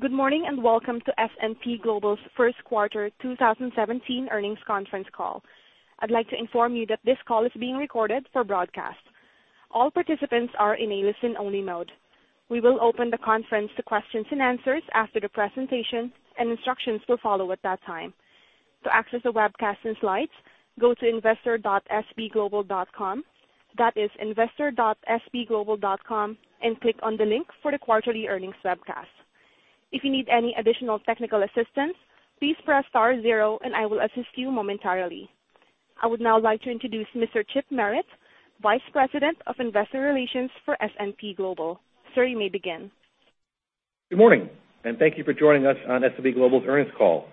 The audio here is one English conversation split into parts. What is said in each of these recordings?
Good morning, welcome to S&P Global's first quarter 2017 earnings conference call. I'd like to inform you that this call is being recorded for broadcast. All participants are in a listen-only mode. We will open the conference to questions and answers after the presentation, and instructions will follow at that time. To access the webcast and slides, go to investor.spglobal.com. That is investor.spglobal.com. Click on the link for the quarterly earnings webcast. If you need any additional technical assistance, please press star zero and I will assist you momentarily. I would now like to introduce Mr. Chip Merritt, Vice President of Investor Relations for S&P Global. Sir, you may begin. Good morning, thank you for joining us on S&P Global's earnings call.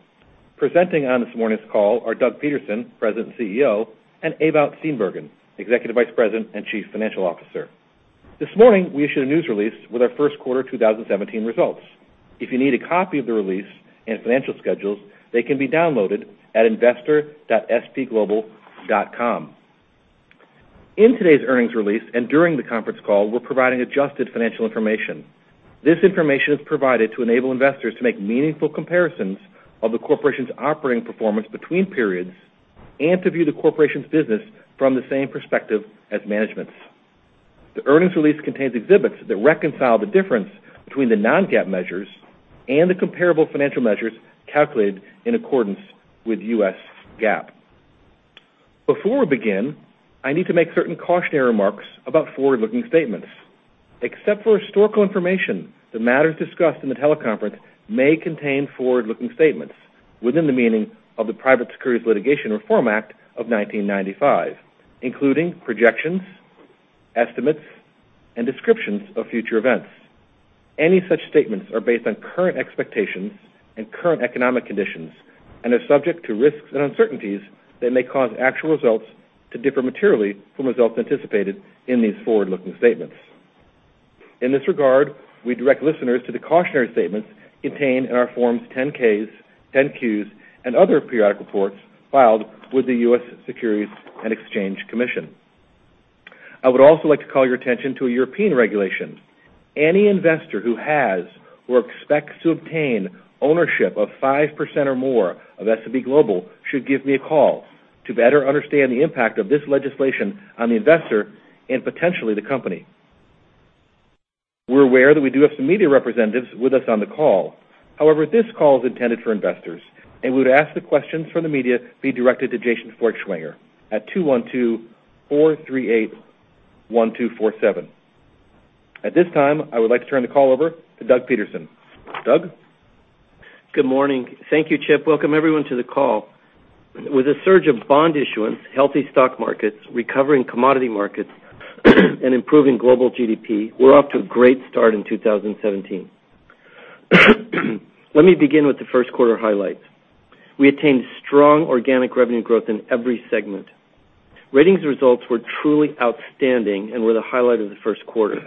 Presenting on this morning's call are Doug Peterson, President and CEO, Ewout Steenbergen, Executive Vice President and Chief Financial Officer. This morning, we issued a news release with our first quarter 2017 results. If you need a copy of the release and financial schedules, they can be downloaded at investor.spglobal.com. In today's earnings release, during the conference call, we're providing adjusted financial information. This information is provided to enable investors to make meaningful comparisons of the corporation's operating performance between periods and to view the corporation's business from the same perspective as management's. The earnings release contains exhibits that reconcile the difference between the non-GAAP measures and the comparable financial measures calculated in accordance with US GAAP. Before we begin, I need to make certain cautionary remarks about forward-looking statements. Except for historical information, the matters discussed in the teleconference may contain forward-looking statements within the meaning of the Private Securities Litigation Reform Act of 1995, including projections, estimates, and descriptions of future events. Any such statements are based on current expectations and current economic conditions and are subject to risks and uncertainties that may cause actual results to differ materially from results anticipated in these forward-looking statements. In this regard, we direct listeners to the cautionary statements contained in our Forms 10-K, 10-Q, and other periodic reports filed with the U.S. Securities and Exchange Commission. I would also like to call your attention to a European regulation. Any investor who has or expects to obtain ownership of 5% or more of S&P Global should give me a call to better understand the impact of this legislation on the investor and potentially the company. We're aware that we do have some media representatives with us on the call. However, this call is intended for investors, we would ask that questions from the media be directed to Jason Feuchtwanger at 212-438-1247. At this time, I would like to turn the call over to Doug Peterson. Doug? Good morning. Thank you, Chip. Welcome, everyone, to the call. With a surge of bond issuance, healthy stock markets, recovering commodity markets, and improving global GDP, we're off to a great start in 2017. Let me begin with the first quarter highlights. We attained strong organic revenue growth in every segment. Ratings results were truly outstanding and were the highlight of the first quarter.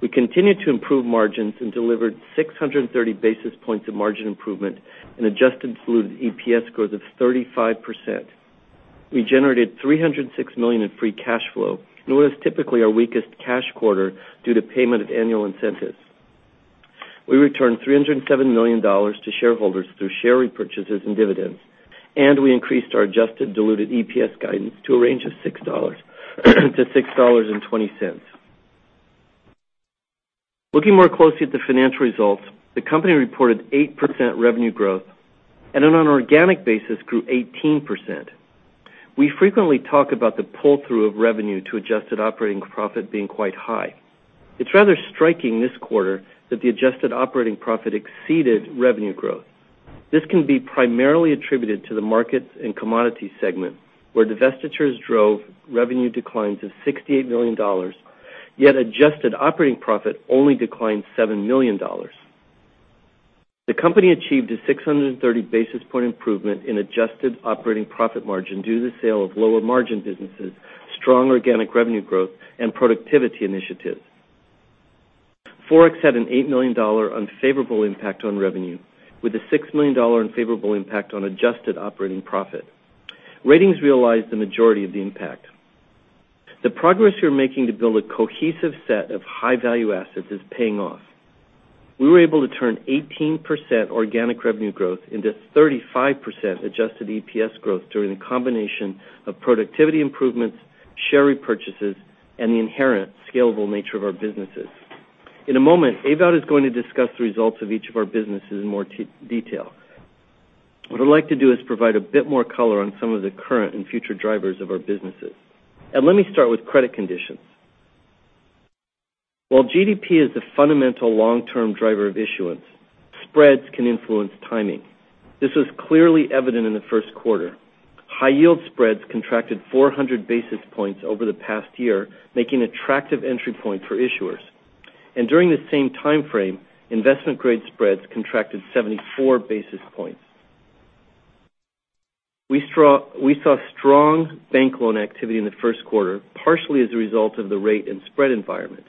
We continued to improve margins and delivered 630 basis points of margin improvement and adjusted diluted EPS growth of 35%. We generated $306 million in free cash flow, and it was typically our weakest cash quarter due to payment of annual incentives. We returned $307 million to shareholders through share repurchases and dividends. We increased our adjusted diluted EPS guidance to a range of $6.00-$6.20. Looking more closely at the financial results, the company reported 8% revenue growth and on an organic basis grew 18%. We frequently talk about the pull-through of revenue to adjusted operating profit being quite high. It's rather striking this quarter that the adjusted operating profit exceeded revenue growth. This can be primarily attributed to the markets and commodity segment, where divestitures drove revenue declines of $68 million, yet adjusted operating profit only declined $7 million. The company achieved a 630 basis point improvement in adjusted operating profit margin due to the sale of lower margin businesses, strong organic revenue growth, and productivity initiatives. Forex had an $8 million unfavorable impact on revenue with a $6 million unfavorable impact on adjusted operating profit. Ratings realized the majority of the impact. The progress we are making to build a cohesive set of high-value assets is paying off. We were able to turn 18% organic revenue growth into 35% adjusted EPS growth through the combination of productivity improvements, share repurchases, and the inherent scalable nature of our businesses. In a moment, Ewout is going to discuss the results of each of our businesses in more detail. What I'd like to do is provide a bit more color on some of the current and future drivers of our businesses. Let me start with credit conditions. While GDP is the fundamental long-term driver of issuance, spreads can influence timing. This was clearly evident in the first quarter. High yield spreads contracted 400 basis points over the past year, making attractive entry point for issuers. During the same timeframe, investment-grade spreads contracted 74 basis points. We saw strong bank loan activity in the first quarter, partially as a result of the rate and spread environment.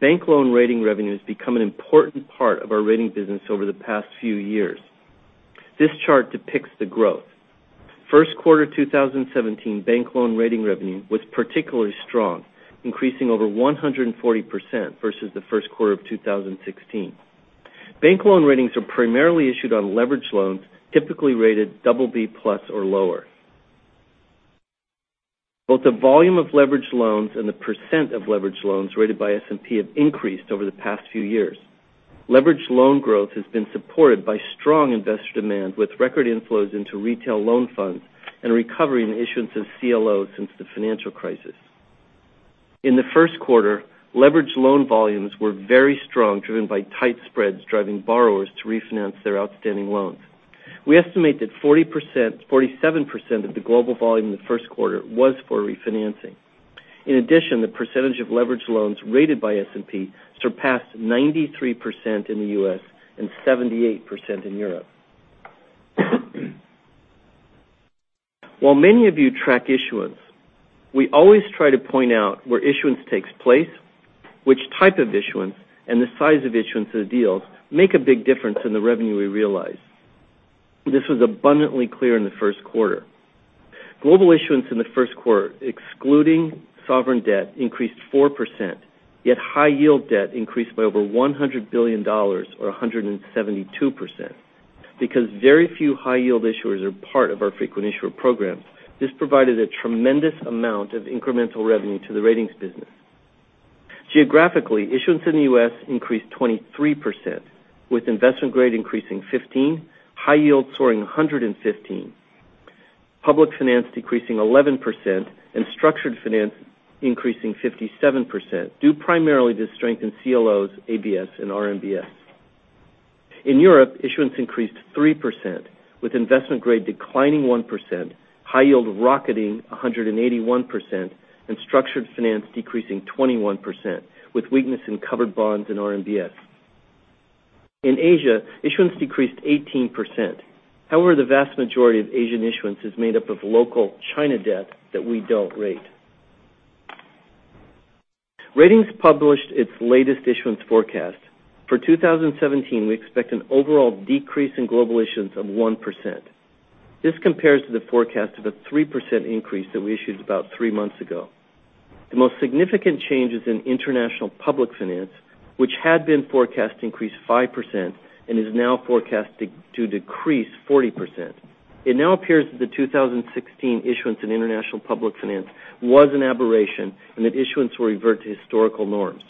Bank loan rating revenue has become an important part of our rating business over the past few years. This chart depicts the growth. First quarter 2017 bank loan rating revenue was particularly strong, increasing over 140% versus the first quarter of 2016. Bank loan ratings are primarily issued on leveraged loans, typically rated double B plus or lower. Both the volume of leveraged loans and the percent of leveraged loans rated by S&P have increased over the past few years. Leveraged loan growth has been supported by strong investor demand, with record inflows into retail loan funds and recovery in the issuance of CLOs since the financial crisis. In the first quarter, leveraged loan volumes were very strong, driven by tight spreads, driving borrowers to refinance their outstanding loans. We estimate that 47% of the global volume in the first quarter was for refinancing. In addition, the percentage of leveraged loans rated by S&P surpassed 93% in the U.S. and 78% in Europe. While many of you track issuance, we always try to point out where issuance takes place, which type of issuance, and the size of issuance of the deals make a big difference in the revenue we realize. This was abundantly clear in the first quarter. Global issuance in the first quarter, excluding sovereign debt, increased 4%, yet high yield debt increased by over $100 billion, or 172%. Because very few high yield issuers are part of our frequent issuer program, this provided a tremendous amount of incremental revenue to the Ratings business. Geographically, issuance in the U.S. increased 23%, with investment grade increasing 15%, high yield soaring 115%, public finance decreasing 11%, and structured finance increasing 57%, due primarily to strength in CLOs, ABS, and RMBS. Issuance increased 3% in Europe, with investment grade declining 1%, high yield rocketing 181%, and structured finance decreasing 21%, with weakness in covered bonds and RMBS. Issuance decreased 18% in Asia. The vast majority of Asian issuance is made up of local China debt that we don't rate. Ratings published its latest issuance forecast. For 2017, we expect an overall decrease in global issuance of 1%. This compares to the forecast of a 3% increase that we issued about three months ago. The most significant change is in international public finance, which had been forecast to increase 5% and is now forecasted to decrease 40%. It now appears that the 2016 issuance in international public finance was an aberration and that issuance will revert to historical norms.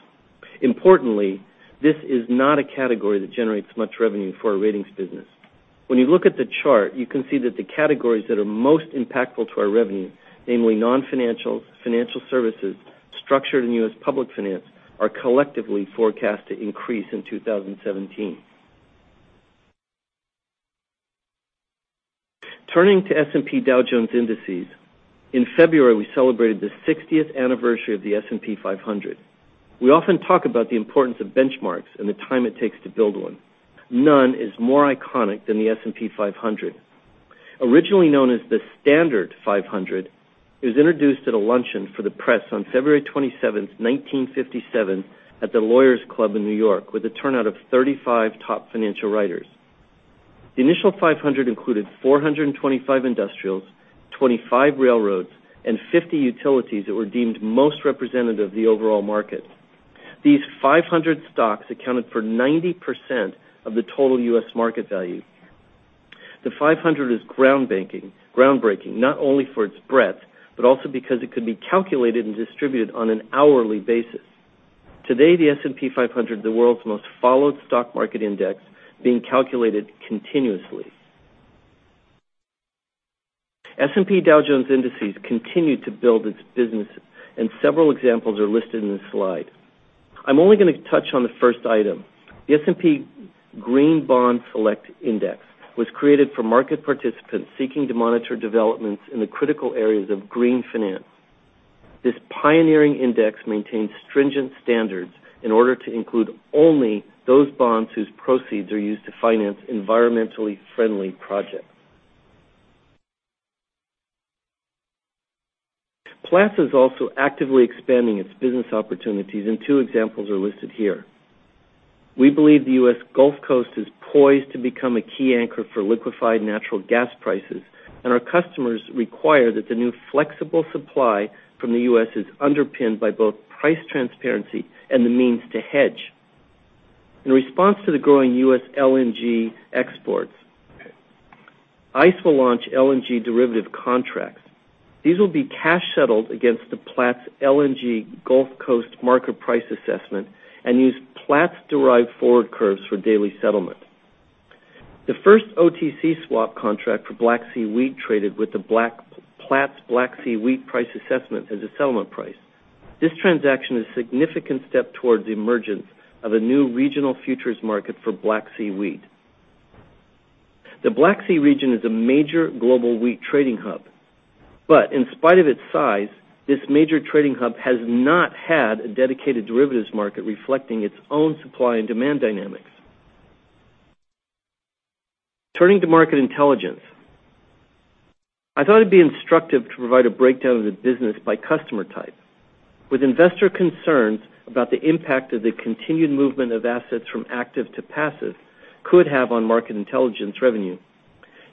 This is not a category that generates much revenue for our Ratings business. When you look at the chart, you can see that the categories that are most impactful to our revenue, namely non-financial, financial services, structured and U.S. public finance, are collectively forecast to increase in 2017. Turning to S&P Dow Jones Indices. In February, we celebrated the 60th anniversary of the S&P 500. We often talk about the importance of benchmarks and the time it takes to build one. None is more iconic than the S&P 500. Originally known as the Standard 500, it was introduced at a luncheon for the press on February 27th, 1957, at the Lawyers Club in New York, with a turnout of 35 top financial writers. The initial 500 included 425 industrials, 25 railroads, and 50 utilities that were deemed most representative of the overall market. These 500 stocks accounted for 90% of the total U.S. market value. The 500 is groundbreaking, not only for its breadth, but also because it could be calculated and distributed on an hourly basis. Today, the S&P 500 is the world's most followed stock market index, being calculated continuously. S&P Dow Jones Indices continued to build its business, several examples are listed in this slide. I'm only going to touch on the first item. The S&P Green Bond Select Index was created for market participants seeking to monitor developments in the critical areas of green finance. This pioneering index maintains stringent standards in order to include only those bonds whose proceeds are used to finance environmentally friendly projects. Platts is also actively expanding its business opportunities, two examples are listed here. We believe the U.S. Gulf Coast is poised to become a key anchor for liquefied natural gas prices, and our customers require that the new flexible supply from the U.S. is underpinned by both price transparency and the means to hedge. In response to the growing U.S. LNG exports, ICE will launch LNG derivative contracts. These will be cash settled against the Platts LNG Gulf Coast Marker price assessment and use Platts-derived forward curves for daily settlement. The first OTC swap contract for Black Sea wheat traded with the Platts Black Sea wheat price assessment as a settlement price. This transaction is a significant step towards the emergence of a new regional futures market for Black Sea wheat. The Black Sea region is a major global wheat trading hub. In spite of its size, this major trading hub has not had a dedicated derivatives market reflecting its own supply and demand dynamics. Turning to Market Intelligence. I thought it'd be instructive to provide a breakdown of the business by customer type. With investor concerns about the impact of the continued movement of assets from active to passive could have on Market Intelligence revenue,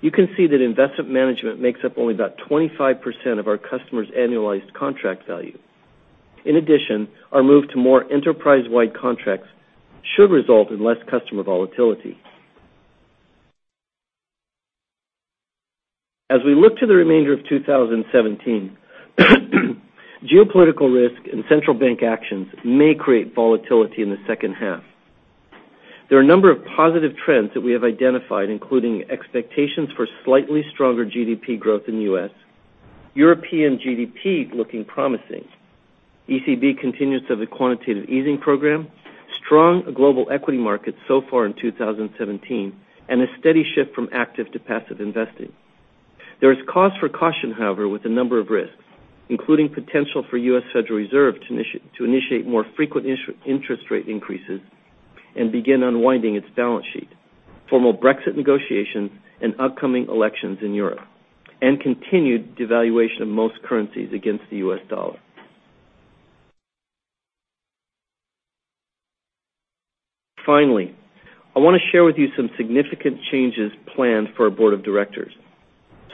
you can see that investment management makes up only about 25% of our customers' annualized contract value. In addition, our move to more enterprise-wide contracts should result in less customer volatility. As we look to the remainder of 2017, geopolitical risk and central bank actions may create volatility in the second half. There are a number of positive trends that we have identified, including expectations for slightly stronger GDP growth in the U.S., European GDP looking promising. ECB continues with the quantitative easing program, strong global equity market so far in 2017, and a steady shift from active to passive investing. There is cause for caution, however, with a number of risks, including potential for U.S. Federal Reserve to initiate more frequent interest rate increases and begin unwinding its balance sheet, formal Brexit negotiations and upcoming elections in Europe, and continued devaluation of most currencies against the U.S. dollar. Finally, I want to share with you some significant changes planned for our board of directors.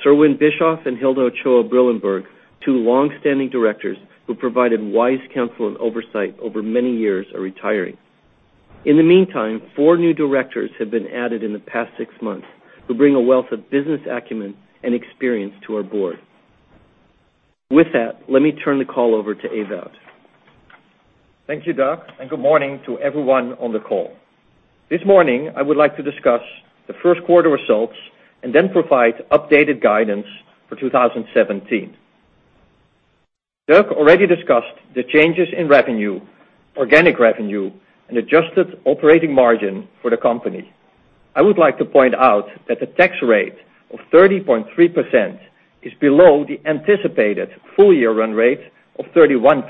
Sir Win Bischoff and Hilda Ochoa-Brillembourg, two longstanding directors who provided wise counsel and oversight over many years, are retiring. In the meantime, four new directors have been added in the past six months who bring a wealth of business acumen and experience to our board. With that, let me turn the call over to Ewout. Thank you, Doug, and good morning to everyone on the call. This morning, I would like to discuss the first quarter results and then provide updated guidance for 2017. Doug already discussed the changes in revenue, organic revenue, and adjusted operating margin for the company. I would like to point out that the tax rate of 30.3% is below the anticipated full-year run rate of 31%,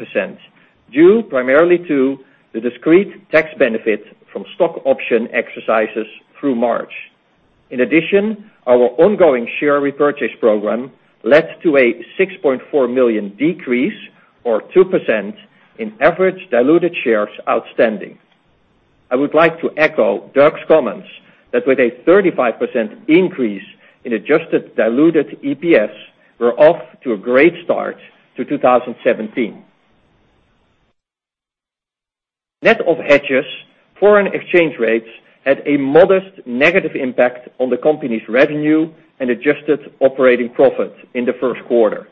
due primarily to the discrete tax benefit from stock option exercises through March. In addition, our ongoing share repurchase program led to a $6.4 million decrease, or 2%, in average diluted shares outstanding. I would like to echo Doug's comments that with a 35% increase in adjusted diluted EPS, we're off to a great start to 2017. Net of hedges, foreign exchange rates had a modest negative impact on the company's revenue and adjusted operating profit in the first quarter.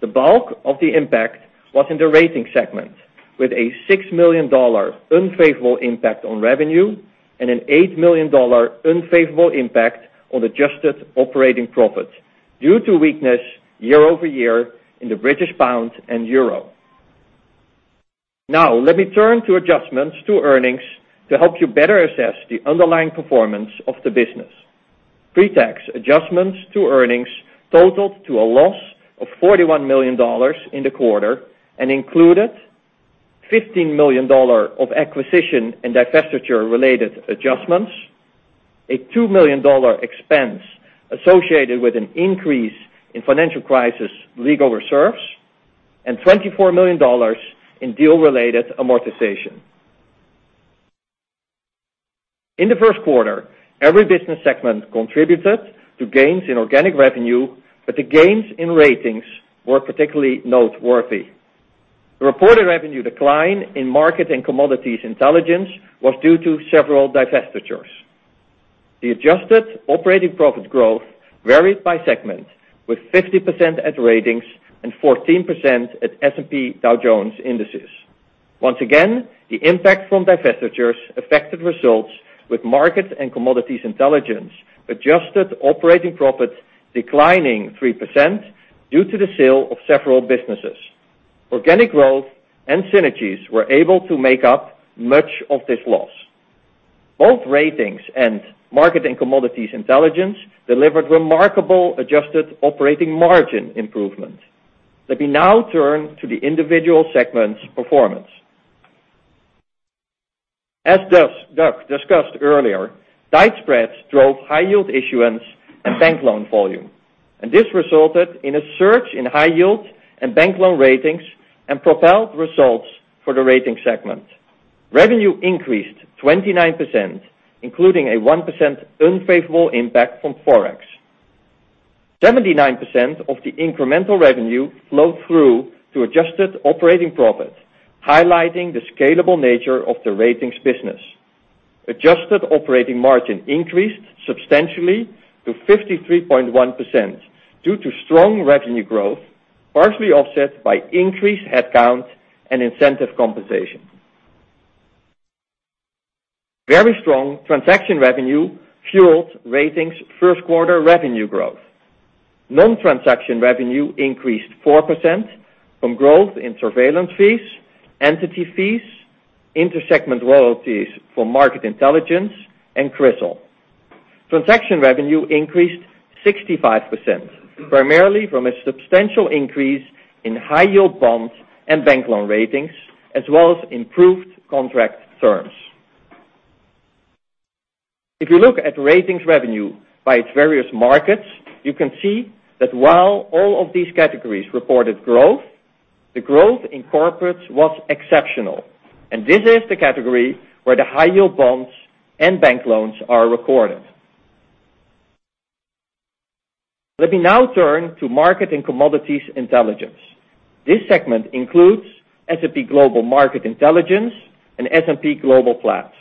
The bulk of the impact was in the Ratings segment, with a $6 million unfavorable impact on revenue and an $8 million unfavorable impact on adjusted operating profit due to weakness year-over-year in the British pound and euro. Let me turn to adjustments to earnings to help you better assess the underlying performance of the business. Pretax adjustments to earnings totaled to a loss of $41 million in the quarter, and included $15 million of acquisition and divestiture-related adjustments, a $2 million expense associated with an increase in financial crisis legal reserves, and $24 million in deal-related amortization. In the first quarter, every business segment contributed to gains in organic revenue, but the gains in Ratings were particularly noteworthy. The reported revenue decline in Market and Commodities Intelligence was due to several divestitures. The adjusted operating profit growth varied by segment, with 50% at Ratings and 14% at S&P Dow Jones Indices. Once again, the impact from divestitures affected results with Market and Commodities Intelligence, adjusted operating profit declining 3% due to the sale of several businesses. Organic growth and synergies were able to make up much of this loss. Both Ratings and Market and Commodities Intelligence delivered remarkable adjusted operating margin improvements. Let me now turn to the individual segments' performance. As Doug discussed earlier, tight spreads drove high yield issuance and bank loan volume, and this resulted in a surge in high yield and bank loan ratings and propelled results for the Ratings segment. Revenue increased 29%, including a 1% unfavorable impact from Forex. 79% of the incremental revenue flowed through to adjusted operating profit, highlighting the scalable nature of the Ratings business. Adjusted operating margin increased substantially to 53.1% due to strong revenue growth, partially offset by increased headcount and incentive compensation. Very strong transaction revenue fueled Ratings' first quarter revenue growth. Non-transaction revenue increased 4% from growth in surveillance fees, entity fees, intersegment royalties for Market Intelligence, and CRISIL. Transaction revenue increased 65%, primarily from a substantial increase in high yield bonds and bank loan ratings, as well as improved contract terms. If you look at Ratings revenue by its various markets, you can see that while all of these categories reported growth, the growth in corporates was exceptional. This is the category where the high-yield bonds and bank loans are recorded. Let me now turn to Market and Commodities Intelligence. This segment includes S&P Global Market Intelligence and S&P Global Platts.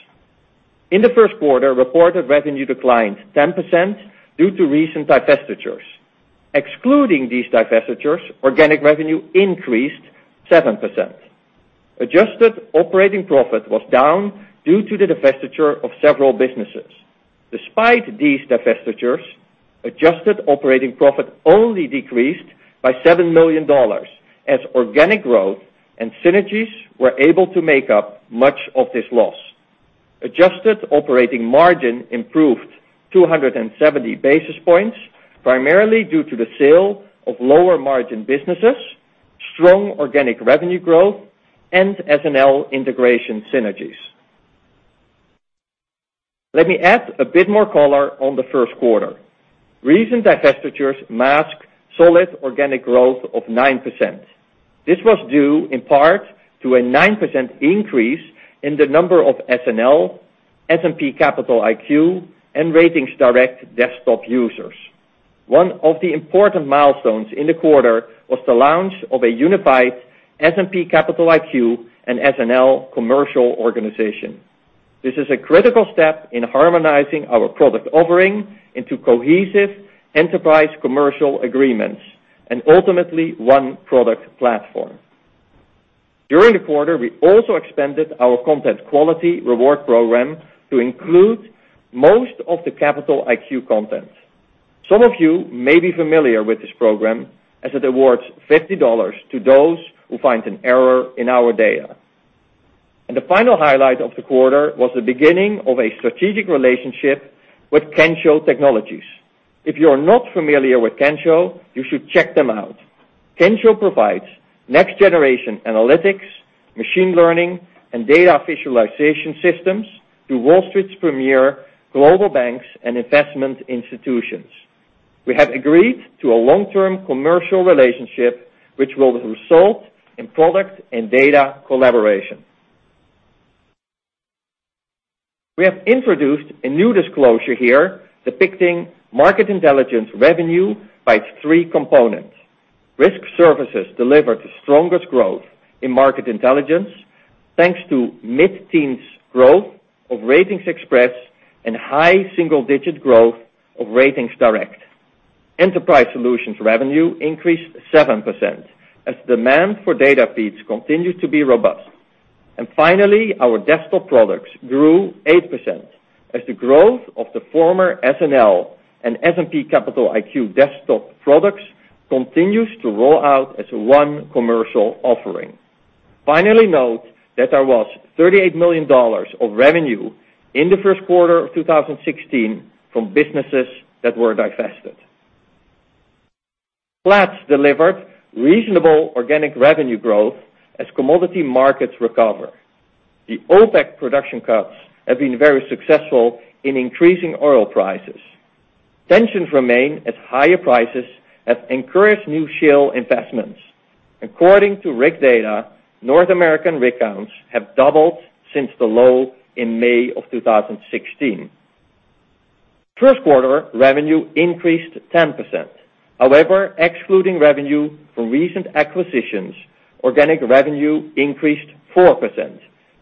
In the first quarter, reported revenue declined 10% due to recent divestitures. Excluding these divestitures, organic revenue increased 7%. Adjusted operating profit was down due to the divestiture of several businesses. Despite these divestitures, adjusted operating profit only decreased by $7 million, as organic growth and synergies were able to make up much of this loss. Adjusted operating margin improved 270 basis points, primarily due to the sale of lower margin businesses, strong organic revenue growth, and SNL integration synergies. Let me add a bit more color on the first quarter. Recent divestitures mask solid organic growth of 9%. This was due in part to a 9% increase in the number of SNL, S&P Capital IQ, and RatingsDirect desktop users. One of the important milestones in the quarter was the launch of a unified S&P Capital IQ and SNL commercial organization. This is a critical step in harmonizing our product offering into cohesive enterprise commercial agreements and ultimately one product platform. During the quarter, we also expanded our content quality reward program to include most of the Capital IQ content. Some of you may be familiar with this program as it awards $50 to those who find an error in our data. The final highlight of the quarter was the beginning of a strategic relationship with Kensho Technologies. If you're not familiar with Kensho, you should check them out. Kensho provides next-generation analytics, machine learning, and data visualization systems to Wall Street's premier global banks and investment institutions. We have agreed to a long-term commercial relationship, which will result in product and data collaboration. We have introduced a new disclosure here depicting market intelligence revenue by its three components. Risk Services delivered the strongest growth in market intelligence, thanks to mid-teens growth of RatingsXpress and high single-digit growth of RatingsDirect. Enterprise Solutions revenue increased 7%, as demand for data feeds continued to be robust. Finally, our desktop products grew 8%, as the growth of the former SNL and S&P Capital IQ desktop products continues to roll out as one commercial offering. Finally, note that there was $38 million of revenue in the first quarter of 2016 from businesses that were divested. Platts delivered reasonable organic revenue growth as commodity markets recover. The OPEC production cuts have been very successful in increasing oil prices. Tensions remain as higher prices have encouraged new shale investments. According to rig data, North American rig counts have doubled since the low in May of 2016. First quarter revenue increased 10%. However, excluding revenue from recent acquisitions, organic revenue increased 4%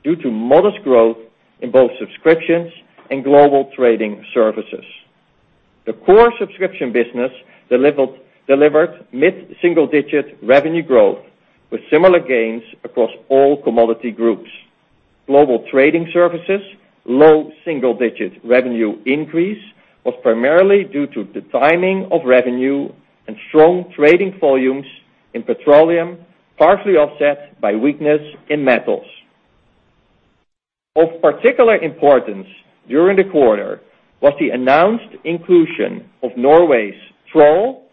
due to modest growth in both subscriptions and global trading services. The core subscription business delivered mid-single-digit revenue growth with similar gains across all commodity groups. Global trading services, low single-digit revenue increase was primarily due to the timing of revenue and strong trading volumes in petroleum, partially offset by weakness in metals. Of particular importance during the quarter was the announced inclusion of Norway's Troll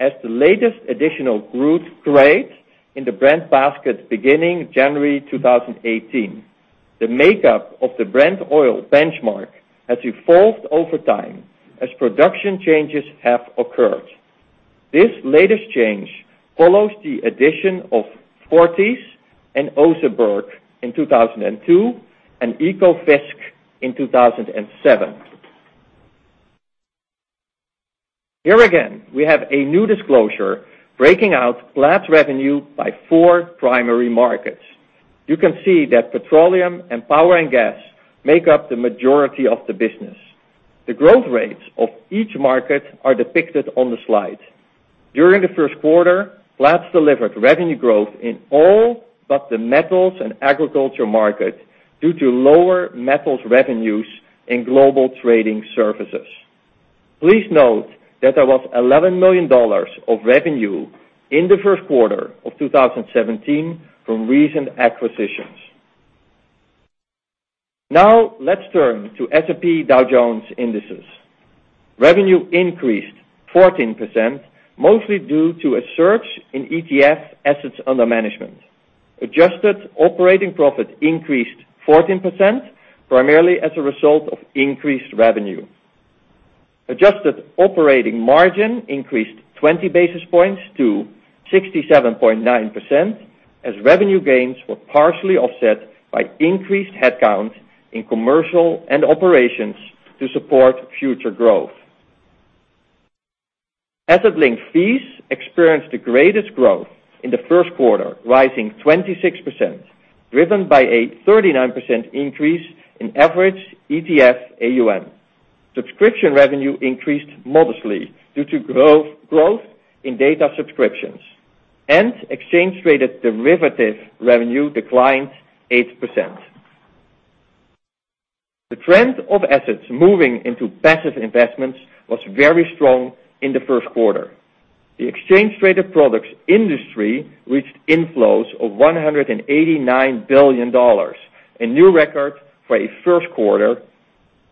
as the latest additional crude grade in the Brent basket beginning January 2018. The makeup of the Brent oil benchmark has evolved over time as production changes have occurred. This latest change follows the addition of Forties and Oseberg in 2002, and Ekofisk in 2007. Here again, we have a new disclosure breaking out Platts revenue by four primary markets. You can see that petroleum and power and gas make up the majority of the business. The growth rates of each market are depicted on the slide. During the first quarter, Platts delivered revenue growth in all but the metals and agriculture market due to lower metals revenues in global trading services. Please note that there was $11 million of revenue in the first quarter of 2017 from recent acquisitions. Let's turn to S&P Dow Jones Indices. Revenue increased 14%, mostly due to a surge in ETF assets under management. Adjusted operating profit increased 14%, primarily as a result of increased revenue. Adjusted operating margin increased 20 basis points to 67.9% as revenue gains were partially offset by increased headcount in commercial and operations to support future growth. Asset link fees experienced the greatest growth in the first quarter, rising 26%, driven by a 39% increase in average ETF AUM. Subscription revenue increased modestly due to growth in data subscriptions. Exchange-traded derivatives revenue declined 8%. The trend of assets moving into passive investments was very strong in the first quarter. The exchange-traded products industry reached inflows of $189 billion, a new record for a first quarter,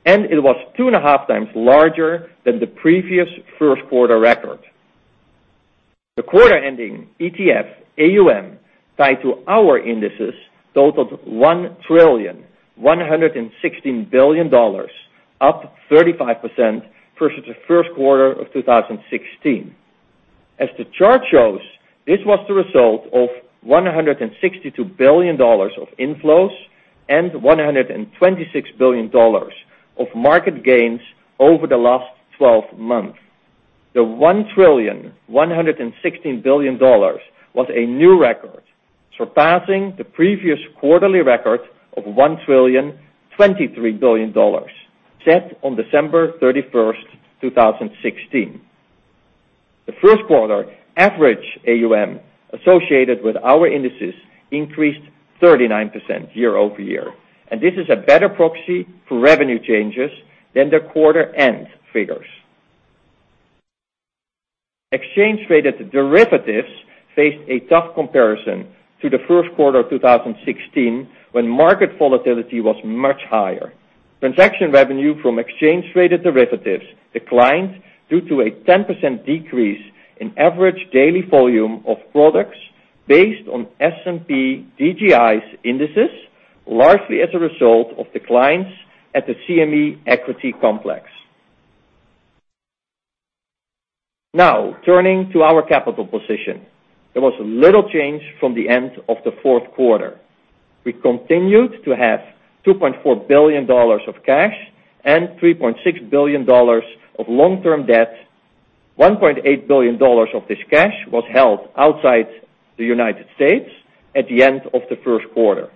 and it was two and a half times larger than the previous first-quarter record. The quarter-ending ETF AUM tied to our indices totaled $1,116 billion, up 35% versus the first quarter of 2016. As the chart shows, this was the result of $162 billion of inflows and $126 billion of market gains over the last 12 months. The $1,116 billion was a new record, surpassing the previous quarterly record of $1,023 billion set on December 31st, 2016. The first-quarter average AUM associated with our indices increased 39% year-over-year, this is a better proxy for revenue changes than the quarter-end figures. Exchange-traded derivatives faced a tough comparison to the first quarter of 2016, when market volatility was much higher. Transaction revenue from exchange-traded derivatives declined due to a 10% decrease in average daily volume of products based on S&P DJI's indices, largely as a result of declines at the CME equity complex. Turning to our capital position. There was little change from the end of the fourth quarter. We continued to have $2.4 billion of cash and $3.6 billion of long-term debt. $1.8 billion of this cash was held outside the United States at the end of the first quarter.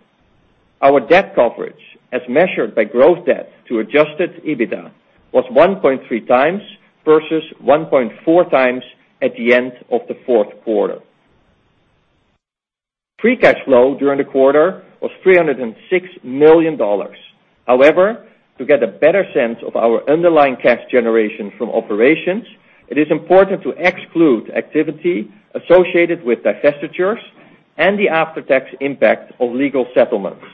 Our debt coverage, as measured by gross debt to adjusted EBITDA, was 1.3 times versus 1.4 times at the end of the fourth quarter. Free cash flow during the quarter was $306 million. To get a better sense of our underlying cash generation from operations, it is important to exclude activity associated with divestitures and the after-tax impact of legal settlements.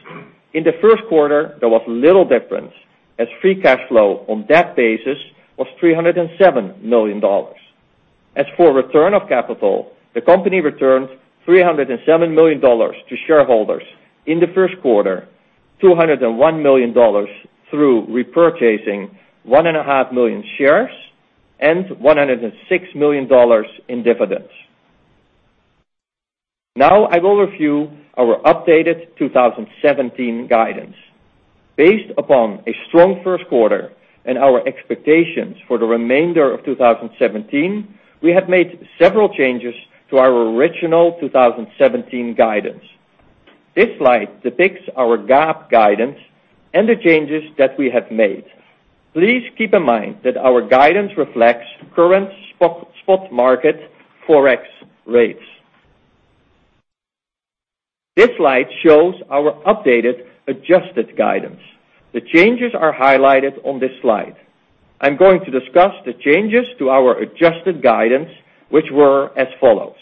In the first quarter, there was little difference as free cash flow on that basis was $307 million. As for return of capital, the company returned $307 million to shareholders in the first quarter, $201 million through repurchasing one and a half million shares and $106 million in dividends. I will review our updated 2017 guidance. Based upon a strong first quarter and our expectations for the remainder of 2017, we have made several changes to our original 2017 guidance. This slide depicts our GAAP guidance and the changes that we have made. Please keep in mind that our guidance reflects current spot market forex rates. This slide shows our updated adjusted guidance. The changes are highlighted on this slide. I'm going to discuss the changes to our adjusted guidance, which were as follows: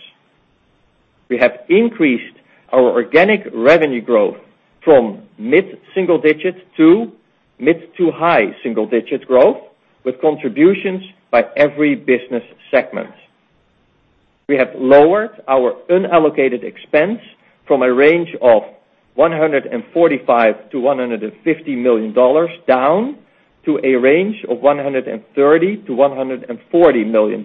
We have increased our organic revenue growth from mid-single digit to mid-to-high single-digit growth, with contributions by every business segment. We have lowered our unallocated expense from a range of $145 million-$150 million, down to a range of $130 million-$140 million.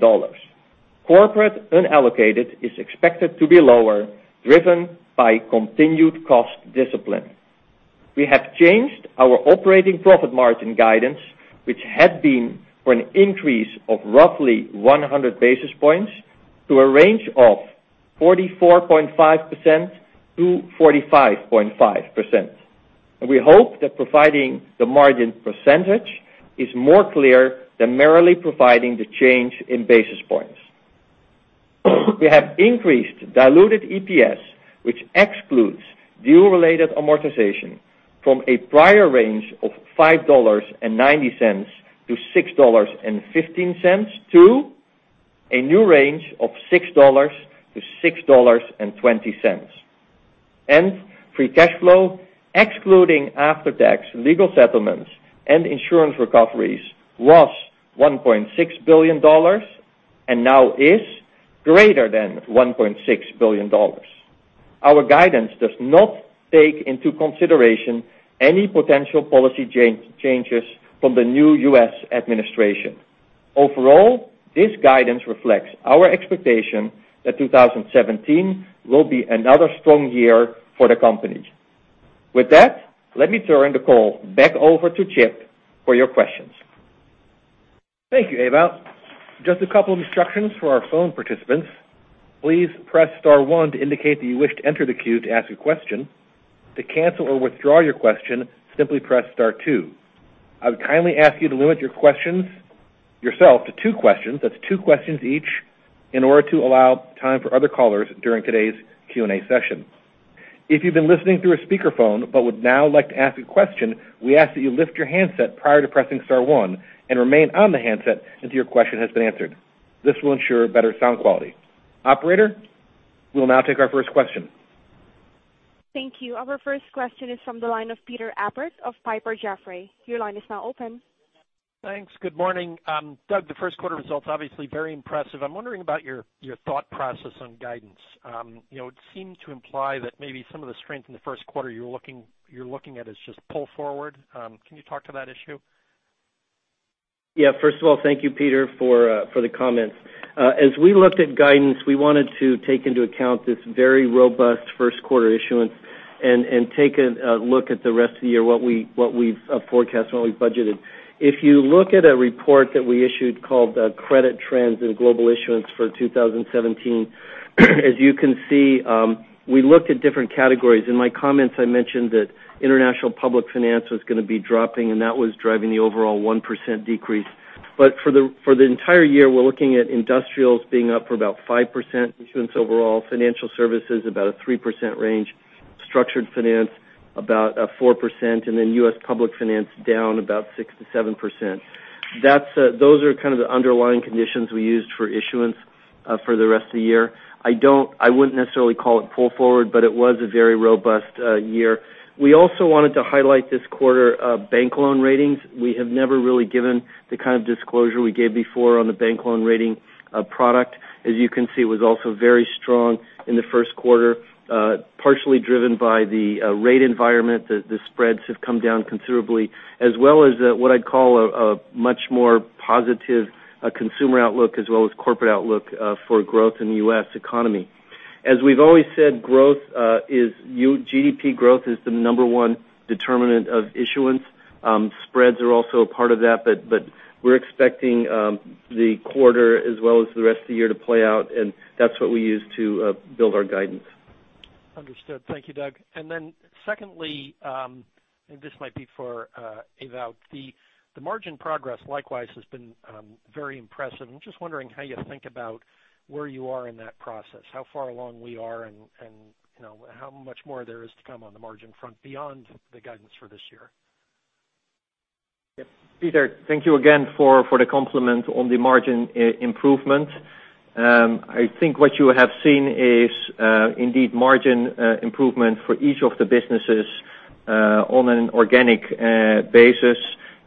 Corporate unallocated is expected to be lower, driven by continued cost discipline. We have changed our operating profit margin guidance, which had been for an increase of roughly 100 basis points to a range of 44.5%-45.5%. We hope that providing the margin percentage is more clear than merely providing the change in basis points. We have increased diluted EPS, which excludes deal-related amortization from a prior range of $5.90-$6.15, to a new range of $6-$6.20. Free cash flow, excluding after-tax legal settlements and insurance recoveries, was $1.6 billion and now is greater than $1.6 billion. Our guidance does not take into consideration any potential policy changes from the new U.S. administration. Overall, this guidance reflects our expectation that 2017 will be another strong year for the company. With that, let me turn the call back over to Chip for your questions. Thank you, Ewout. Just a couple of instructions for our phone participants. Please press star 1 to indicate that you wish to enter the queue to ask a question. To cancel or withdraw your question, simply press star 2. I would kindly ask you to limit yourself to two questions. That's two questions each in order to allow time for other callers during today's Q&A session. If you've been listening through a speakerphone but would now like to ask a question, we ask that you lift your handset prior to pressing star 1 and remain on the handset until your question has been answered. This will ensure better sound quality. Operator, we'll now take our first question. Thank you. Our first question is from the line of Peter Appert of Piper Jaffray. Your line is now open. Thanks. Good morning. Doug, the first quarter results, obviously very impressive. I'm wondering about your thought process on guidance. It seemed to imply that maybe some of the strength in the first quarter you're looking at is just pull forward. Can you talk to that issue? First of all, thank you, Peter, for the comments. As we looked at guidance, we wanted to take into account this very robust first quarter issuance and take a look at the rest of the year, what we've forecast and what we've budgeted. If you look at a report that we issued called the Credit Trends in Global Issuance for 2017, as you can see, we looked at different categories. In my comments, I mentioned that international public finance was going to be dropping, and that was driving the overall 1% decrease. For the entire year, we're looking at industrials being up for about 5% issuance overall, financial services about a 3% range, structured finance about 4%, and then U.S. public finance down about 6%-7%. Those are kind of the underlying conditions we used for issuance for the rest of the year. I wouldn't necessarily call it pull forward, but it was a very robust year. We also wanted to highlight this quarter bank loan ratings. We have never really given the kind of disclosure we gave before on the bank loan rating product. As you can see, it was also very strong in the first quarter, partially driven by the rate environment. The spreads have come down considerably as well as what I'd call a much more positive consumer outlook as well as corporate outlook for growth in the U.S. economy. As we've always said, GDP growth is the number one determinant of issuance. Spreads are also a part of that, but we're expecting the quarter as well as the rest of the year to play out, and that's what we use to build our guidance. Understood. Thank you, Doug. Then secondly, and this might be for Ewout. The margin progress likewise has been very impressive. I'm just wondering how you think about where you are in that process, how far along we are, and how much more there is to come on the margin front beyond the guidance for this year. Peter, thank you again for the compliment on the margin improvement. I think what you have seen is indeed margin improvement for each of the businesses on an organic basis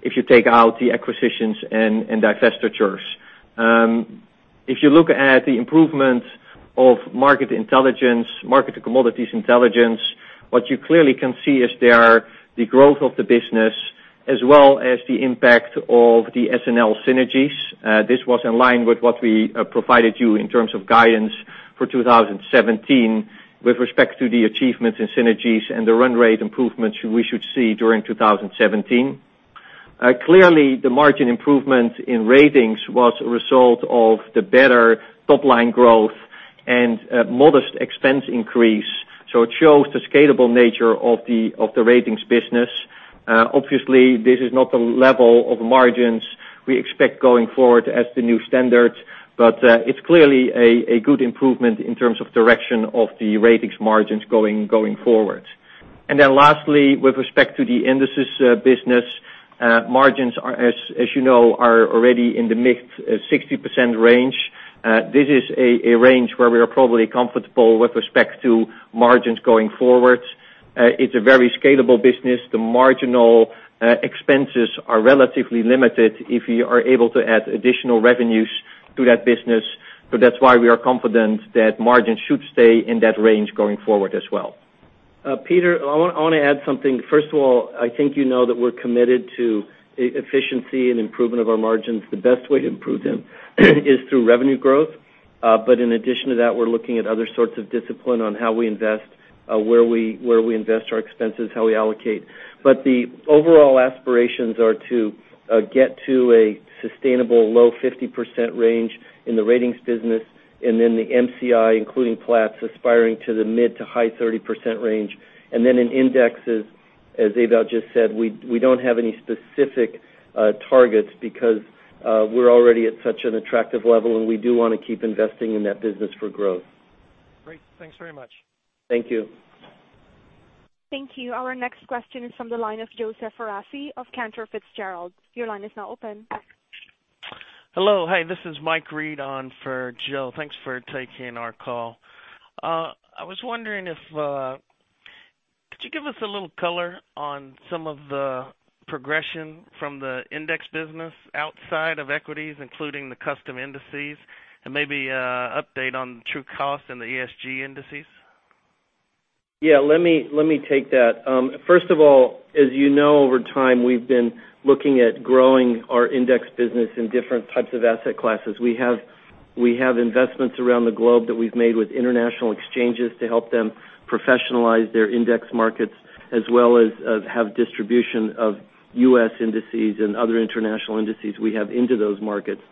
if you take out the acquisitions and divestitures. If you look at the improvement of Market Intelligence, Market and Commodities Intelligence, what you clearly can see is there the growth of the business as well as the impact of the SNL synergies. This was in line with what we provided you in terms of guidance for 2017 with respect to the achievements and synergies and the run rate improvements we should see during 2017. Clearly, the margin improvement in Ratings was a result of the better top-line growth and modest expense increase. It shows the scalable nature of the Ratings business. Obviously, this is not the level of margins we expect going forward as the new standard, but it's clearly a good improvement in terms of direction of the Ratings margins going forward. Lastly, with respect to the Indices business, margins, as you know, are already in the mid-60% range. This is a range where we are probably comfortable with respect to margins going forward. It's a very scalable business. The marginal expenses are relatively limited if we are able to add additional revenues to that business. That's why we are confident that margins should stay in that range going forward as well. Peter, I want to add something. First of all, I think you know that we're committed to efficiency and improvement of our margins. The best way to improve them is through revenue growth. In addition to that, we're looking at other sorts of discipline on how we invest, where we invest our expenses, how we allocate. The overall aspirations are to get to a sustainable low 50% range in the Ratings business, and then the MCI, including Platts, aspiring to the mid to high 30% range. In Indices, as Ewout just said, we don't have any specific targets because we're already at such an attractive level, and we do want to keep investing in that business for growth. Great. Thanks very much. Thank you. Thank you. Our next question is from the line of Joseph Foresi of Cantor Fitzgerald. Your line is now open. Hello. Hey, this is Mike Reed on for Jill. Thanks for taking our call. Could you give us a little color on some of the progression from the index business outside of equities, including the custom indices, and maybe update on the Trucost and the ESG indices? Yeah, let me take that. First of all, as you know, over time, we've been looking at growing our index business in different types of asset classes. We have investments around the globe that we've made with international exchanges to help them professionalize their index markets, as well as have distribution of U.S. indices and other international indices we have into those markets.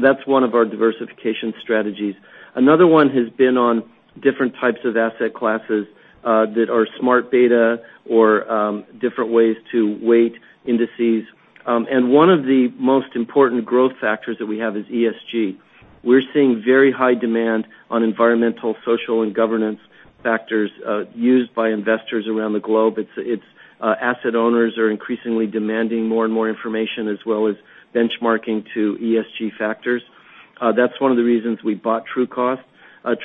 That's one of our diversification strategies. Another one has been on different types of asset classes that are smart beta or different ways to weight indices. One of the most important growth factors that we have is ESG. We're seeing very high demand on environmental, social, and governance factors used by investors around the globe. Asset owners are increasingly demanding more and more information, as well as benchmarking to ESG factors. That's one of the reasons we bought Trucost.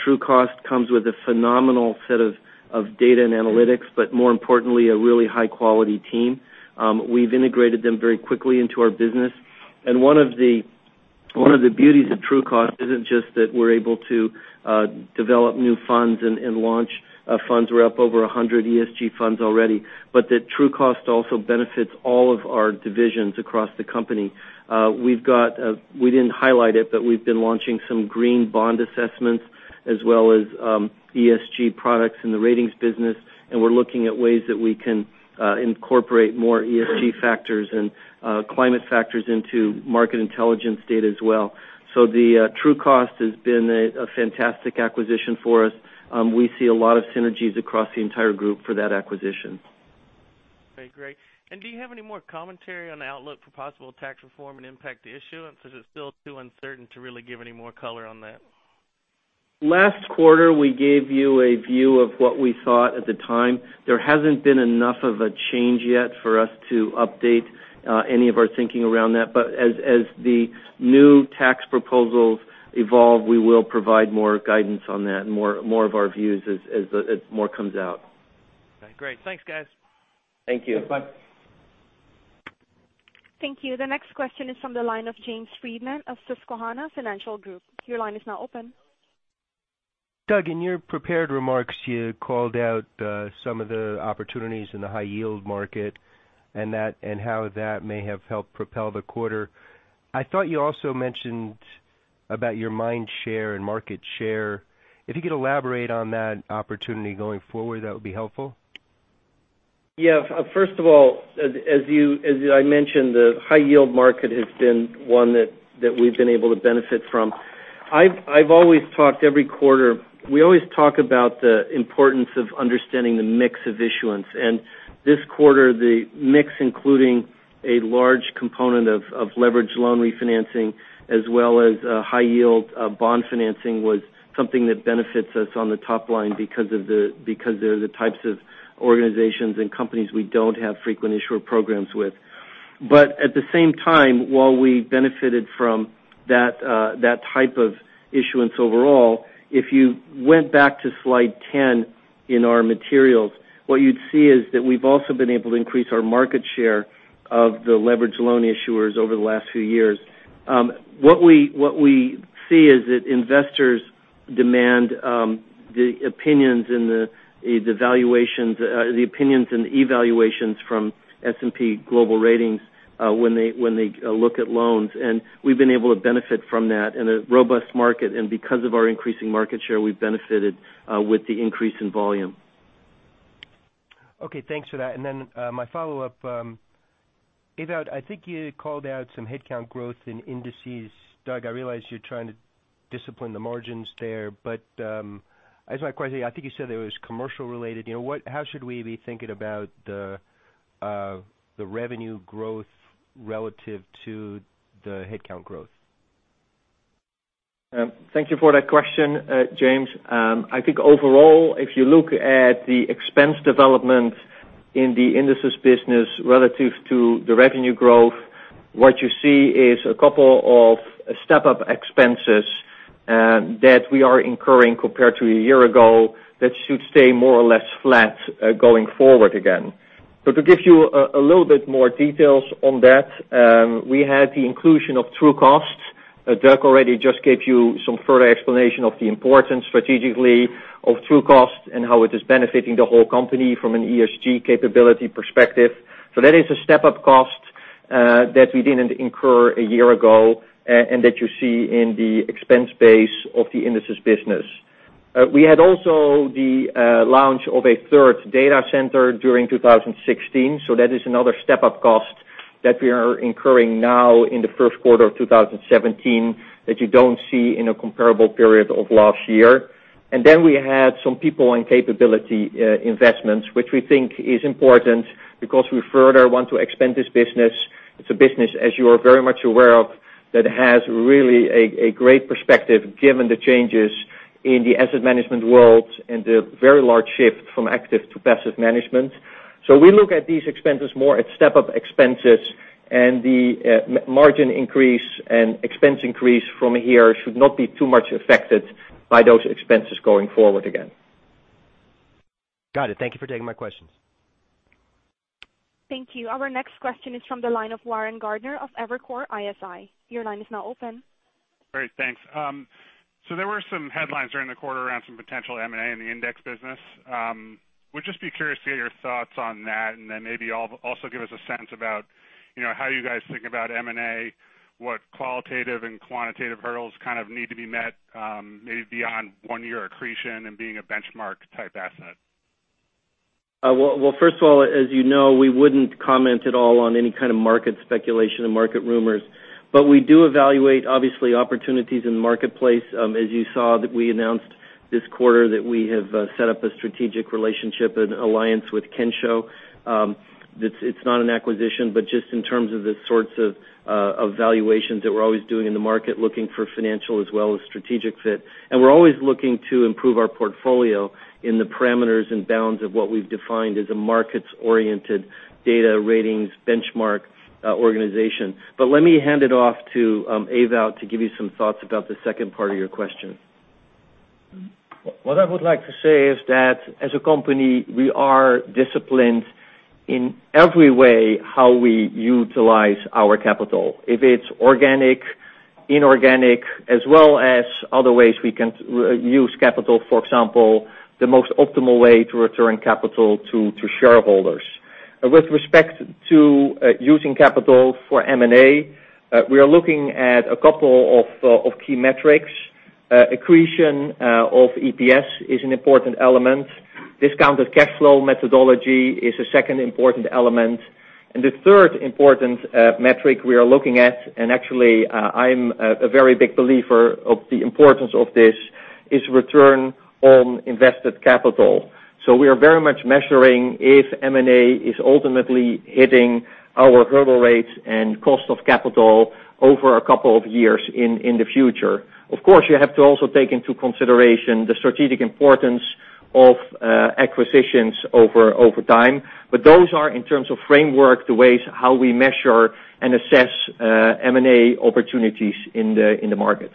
Trucost comes with a phenomenal set of data and analytics, but more importantly, a really high-quality team. We've integrated them very quickly into our business. One of the beauties of Trucost isn't just that we're able to develop new funds and launch funds. We're up over 100 ESG funds already. That Trucost also benefits all of our divisions across the company. We didn't highlight it, but we've been launching some green bond assessments as well as ESG products in the ratings business, and we're looking at ways that we can incorporate more ESG factors and climate factors into market intelligence data as well. The Trucost has been a fantastic acquisition for us. We see a lot of synergies across the entire group for that acquisition. Okay, great. Do you have any more commentary on the outlook for possible tax reform and impact to issuance, or is it still too uncertain to really give any more color on that? Last quarter, we gave you a view of what we thought at the time. There hasn't been enough of a change yet for us to update any of our thinking around that. As the new tax proposals evolve, we will provide more guidance on that and more of our views as more comes out. Okay, great. Thanks, guys. Thank you. Bye. Thank you. The next question is from the line of James Friedman of Susquehanna Financial Group. Your line is now open. Doug, in your prepared remarks, you called out some of the opportunities in the high yield market and how that may have helped propel the quarter. I thought you also mentioned about your mind share and market share. If you could elaborate on that opportunity going forward, that would be helpful. Yeah. First of all, as I mentioned, the high yield market has been one that we've been able to benefit from. I've always talked every quarter. We always talk about the importance of understanding the mix of issuance. This quarter, the mix, including a large component of leverage loan refinancing as well as high yield bond financing, was something that benefits us on the top line because they're the types of organizations and companies we don't have frequent issuer programs with. At the same time, while we benefited from that type of issuance overall, if you went back to slide 10 in our materials, what you'd see is that we've also been able to increase our market share of the leverage loan issuers over the last few years. What we see is that investors demand the opinions and the evaluations from S&P Global Ratings when they look at loans. We've been able to benefit from that in a robust market. Because of our increasing market share, we've benefited with the increase in volume. Okay, thanks for that. My follow-up. Ewout, I think you called out some headcount growth in indices. Doug, I realize you're trying to discipline the margins there. That's my question. I think you said that it was commercial-related. How should we be thinking about the revenue growth relative to the headcount growth? Thank you for that question, James. I think overall, if you look at the expense development in the indices business relative to the revenue growth, what you see is a couple of step-up expenses that we are incurring compared to a year ago that should stay more or less flat going forward again. To give you a little bit more details on that, we had the inclusion of Trucost. Doug already just gave you some further explanation of the importance strategically of Trucost and how it is benefiting the whole company from an ESG capability perspective. That is a step-up cost that we didn't incur a year ago and that you see in the expense base of the indices business. We had also the launch of a third data center during 2016. That is another step-up cost that we are incurring now in the first quarter of 2017 that you don't see in a comparable period of last year. We had some people and capability investments, which we think is important because we further want to expand this business. It's a business, as you are very much aware of, that has really a great perspective given the changes in the asset management world and the very large shift from active to passive management. We look at these expenses more at step-up expenses, and the margin increase and expense increase from here should not be too much affected by those expenses going forward again. Got it. Thank you for taking my questions. Thank you. Our next question is from the line of Warren Gardiner of Evercore ISI. Your line is now open. Great, thanks. There were some headlines during the quarter around some potential M&A in the index business. Would just be curious to get your thoughts on that, and then maybe also give us a sense about how you guys think about M&A, what qualitative and quantitative hurdles kind of need to be met maybe beyond one-year accretion and being a benchmark-type asset. First of all, as you know, we wouldn't comment at all on any kind of market speculation and market rumors. We do evaluate, obviously, opportunities in the marketplace. As you saw, that we announced this quarter that we have set up a strategic relationship and alliance with Kensho. It's not an acquisition, just in terms of the sorts of valuations that we're always doing in the market, looking for financial as well as strategic fit. We're always looking to improve our portfolio in the parameters and bounds of what we've defined as a markets-oriented data ratings benchmark organization. Let me hand it off to Ewout to give you some thoughts about the second part of your question. What I would like to say is that as a company, we are disciplined in every way how we utilize our capital. If it's organic, inorganic, as well as other ways we can use capital, for example, the most optimal way to return capital to shareholders. With respect to using capital for M&A, we are looking at a couple of key metrics. Accretion of EPS is an important element. Discounted cash flow methodology is a second important element. The third important metric we are looking at, and actually, I'm a very big believer of the importance of this, is return on invested capital. We are very much measuring if M&A is ultimately hitting our hurdle rates and cost of capital over a couple of years in the future. Of course, you have to also take into consideration the strategic importance of acquisitions over time. Those are, in terms of framework, the ways how we measure and assess M&A opportunities in the market.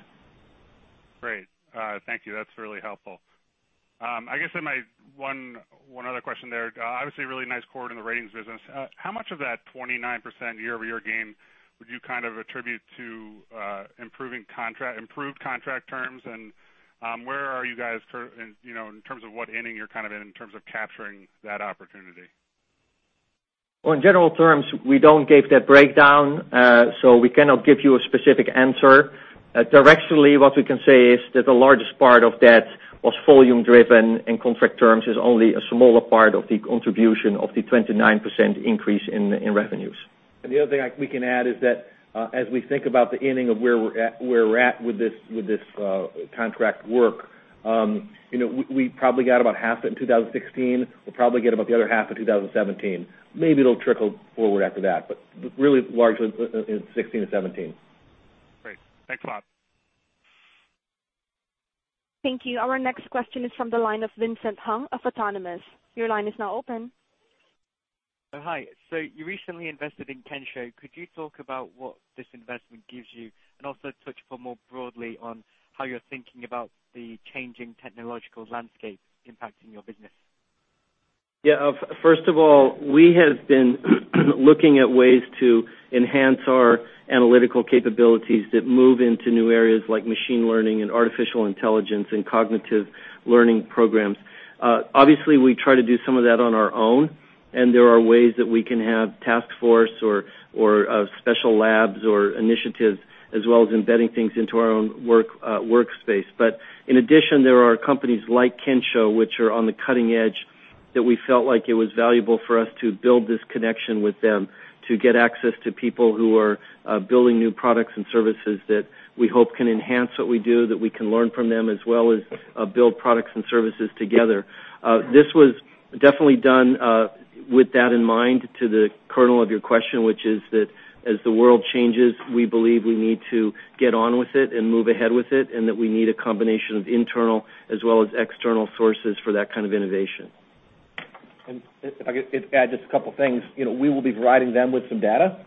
Great. Thank you. That's really helpful. I guess in my one other question there, obviously, really nice quarter in the ratings business. How much of that 29% year-over-year gain would you kind of attribute to improved contract terms, and where are you guys in terms of what inning you're kind of in terms of capturing that opportunity? Well, in general terms, we don't give that breakdown. We cannot give you a specific answer. Directionally, what we can say is that the largest part of that was volume driven, and contract terms is only a smaller part of the contribution of the 29% increase in revenues. The other thing we can add is that, as we think about the inning of where we're at with this contract work, we probably got about half that in 2016. We'll probably get about the other half in 2017. Maybe it'll trickle forward after that. Really largely in 2016 and 2017. Great. Thanks a lot. Thank you. Our next question is from the line of Vincent Hung of Autonomous. Your line is now open. Hi. You recently invested in Kensho. Could you talk about what this investment gives you, and also touch more broadly on how you're thinking about the changing technological landscape impacting your business? First of all, we have been looking at ways to enhance our analytical capabilities that move into new areas like machine learning and artificial intelligence and cognitive learning programs. Obviously, we try to do some of that on our own, and there are ways that we can have task force or special labs or initiatives, as well as embedding things into our own workspace. In addition, there are companies like Kensho, which are on the cutting edge, that we felt like it was valuable for us to build this connection with them, to get access to people who are building new products and services that we hope can enhance what we do, that we can learn from them, as well as build products and services together. This was definitely done with that in mind to the kernel of your question, which is that as the world changes, we believe we need to get on with it and move ahead with it, and that we need a combination of internal as well as external sources for that kind of innovation. If I could add just a couple things. We will be providing them with some data,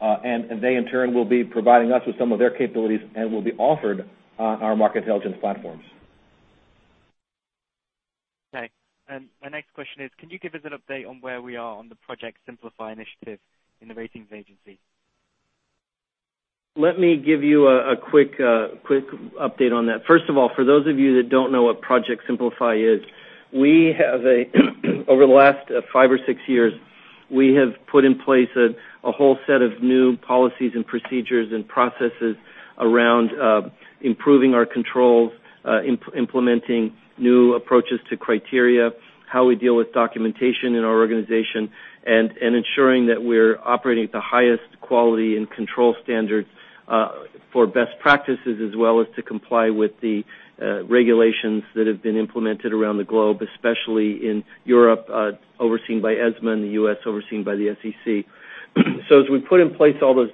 and they in turn, will be providing us with some of their capabilities and will be offered on our market intelligence platforms. My next question is, can you give us an update on where we are on the Project Simplify initiative in the ratings agency? Let me give you a quick update on that. First of all, for those of you that don't know what Project Simplify is, over the last five or six years, we have put in place a whole set of new policies and procedures and processes around improving our controls, implementing new approaches to criteria, how we deal with documentation in our organization, and ensuring that we're operating at the highest quality and control standards for best practices, as well as to comply with the regulations that have been implemented around the globe, especially in Europe, overseen by ESMA, in the U.S., overseen by the SEC. As we put in place all those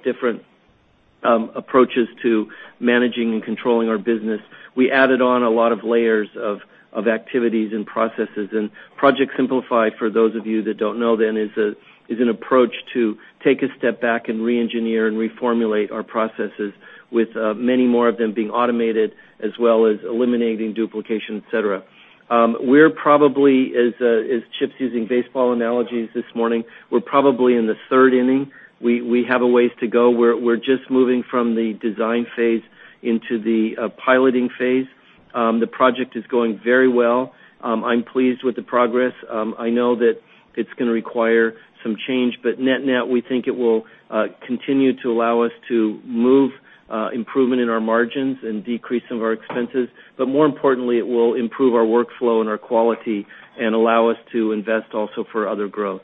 approaches to managing and controlling our business. We added on a lot of layers of activities and processes. Project Simplify, for those of you that don't know then, is an approach to take a step back and re-engineer and reformulate our processes with many more of them being automated, as well as eliminating duplication, et cetera. We're probably, as Chip's using baseball analogies this morning, we're probably in the third inning. We have a ways to go. We're just moving from the design phase into the piloting phase. The project is going very well. I'm pleased with the progress. I know that it's going to require some change, but net-net, we think it will continue to allow us to move improvement in our margins and decrease some of our expenses. More importantly, it will improve our workflow and our quality and allow us to invest also for other growth.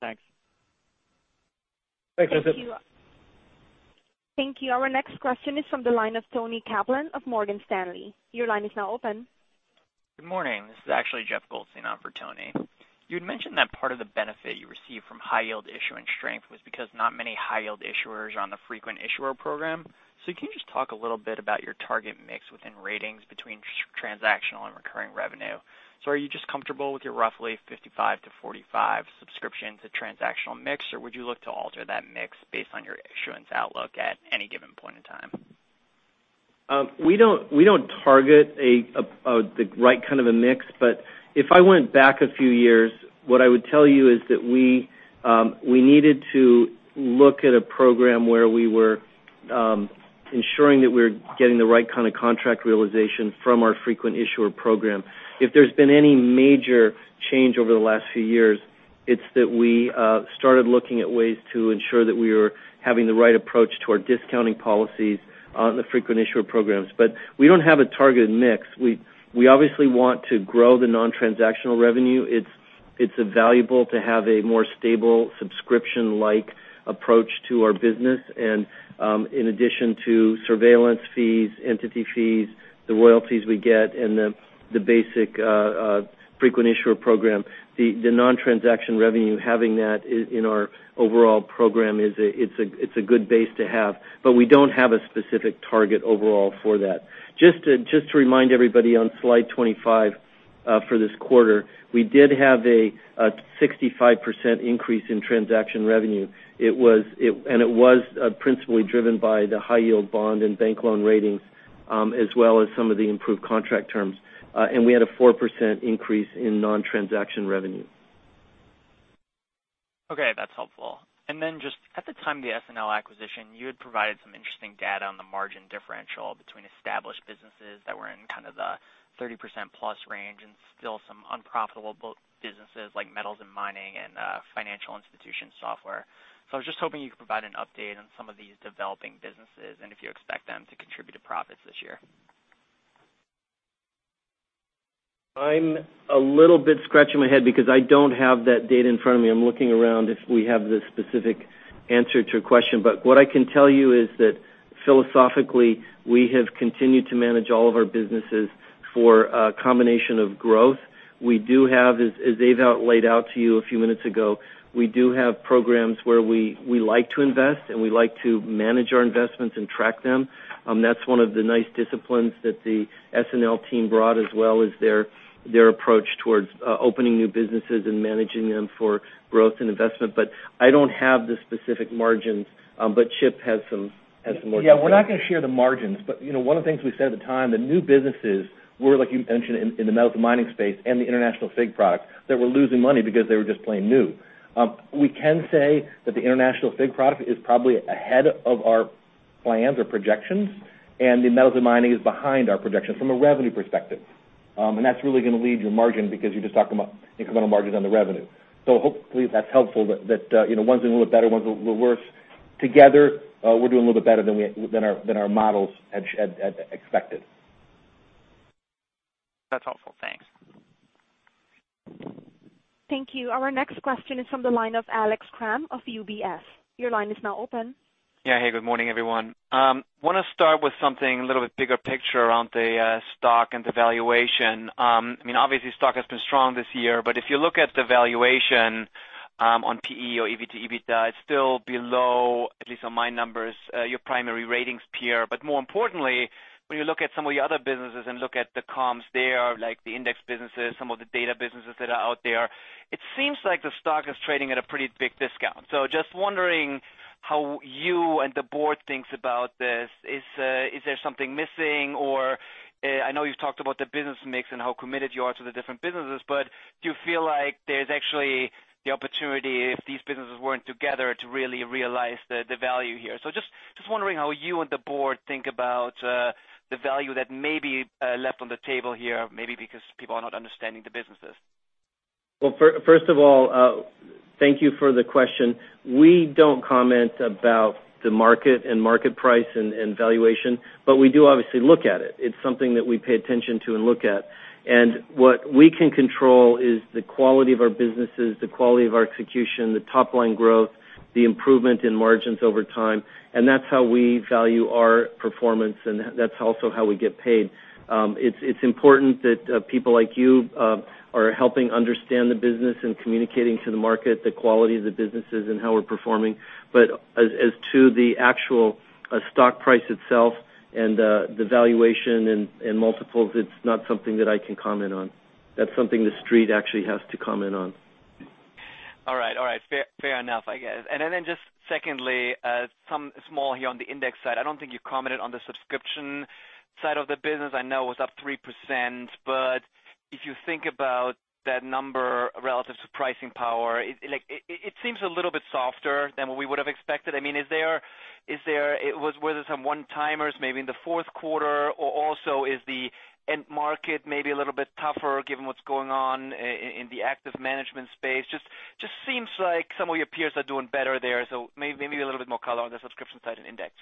Thanks. Thanks, Joseph. Thank you. Our next question is from the line of Toni Kaplan of Morgan Stanley. Your line is now open. Good morning. This is actually Josh Goldstein on for Toni. You had mentioned that part of the benefit you received from high yield issuing strength was because not many high yield issuers are on the frequent issuer program. Can you just talk a little bit about your target mix within ratings between transactional and recurring revenue? Are you just comfortable with your roughly 55 to 45 subscription to transactional mix, or would you look to alter that mix based on your issuance outlook at any given point in time? We don't target the right kind of a mix. If I went back a few years, what I would tell you is that we needed to look at a program where we were ensuring that we're getting the right kind of contract realization from our frequent issuer program. If there's been any major change over the last few years, it's that we started looking at ways to ensure that we were having the right approach to our discounting policies on the frequent issuer programs. We don't have a targeted mix. We obviously want to grow the non-transactional revenue. It's valuable to have a more stable subscription-like approach to our business. In addition to surveillance fees, entity fees, the royalties we get, and the basic frequent issuer program, the non-transaction revenue, having that in our overall program it's a good base to have. We don't have a specific target overall for that. Just to remind everybody on slide 25, for this quarter, we did have a 65% increase in transaction revenue. It was principally driven by the high yield bond and bank loan ratings, as well as some of the improved contract terms. We had a 4% increase in non-transaction revenue. Okay. That's helpful. Then just at the time of the SNL acquisition, you had provided some interesting data on the margin differential between established businesses that were in kind of the 30%+ range and still some unprofitable businesses like metals and mining and financial institution software. I was just hoping you could provide an update on some of these developing businesses and if you expect them to contribute to profits this year. I'm a little bit scratching my head because I don't have that data in front of me. I'm looking around if we have the specific answer to your question. What I can tell you is that philosophically, we have continued to manage all of our businesses for a combination of growth. We do have, as Dave laid out to you a few minutes ago, we do have programs where we like to invest, and we like to manage our investments and track them. That's one of the nice disciplines that the SNL team brought as well, is their approach towards opening new businesses and managing them for growth and investment. I don't have the specific margins. Chip has more to say. Yeah, we're not going to share the margins, one of the things we said at the time, the new businesses were, like you mentioned, in the metals and mining space and the international FIG product, that were losing money because they were just plain new. We can say that the international FIG product is probably ahead of our plans or projections, and the metals and mining is behind our projections from a revenue perspective. That's really going to lead your margin because you're just talking about incremental margins on the revenue. Hopefully that's helpful that one's doing a little better, one's a little worse. Together, we're doing a little bit better than our models had expected. That's helpful. Thanks. Thank you. Our next question is from the line of Alex Kramm of UBS. Your line is now open. Yeah. Hey, good morning, everyone. Want to start with something a little bit bigger picture around the stock and the valuation. Obviously stock has been strong this year, if you look at the valuation on PE or EBITDA, it's still below, at least on my numbers, your primary ratings peer. More importantly, when you look at some of your other businesses and look at the comps there, like the index businesses, some of the data businesses that are out there, it seems like the stock is trading at a pretty big discount. Just wondering how you and the board thinks about this. Is there something missing, or I know you've talked about the business mix and how committed you are to the different businesses, but do you feel like there's actually the opportunity if these businesses weren't together to really realize the value here? Just wondering how you and the board think about the value that may be left on the table here, maybe because people are not understanding the businesses. Well, first of all, thank you for the question. We don't comment about the market and market price and valuation, but we do obviously look at it. It's something that we pay attention to and look at. What we can control is the quality of our businesses, the quality of our execution, the top-line growth, the improvement in margins over time, and that's how we value our performance, and that's also how we get paid. It's important that people like you are helping understand the business and communicating to the market the quality of the businesses and how we're performing. As to the actual A stock price itself and the valuation and multiples, it's not something that I can comment on. That's something the street actually has to comment on. All right. Fair enough, I guess. Then just secondly, some small here on the index side, I don't think you commented on the subscription side of the business. I know it was up 3%, but if you think about that number relative to pricing power, it seems a little bit softer than what we would have expected. Was there some one-timers maybe in the fourth quarter, or also is the end market maybe a little bit tougher given what's going on in the active management space? Just seems like some of your peers are doing better there, so maybe a little bit more color on the subscription side and index.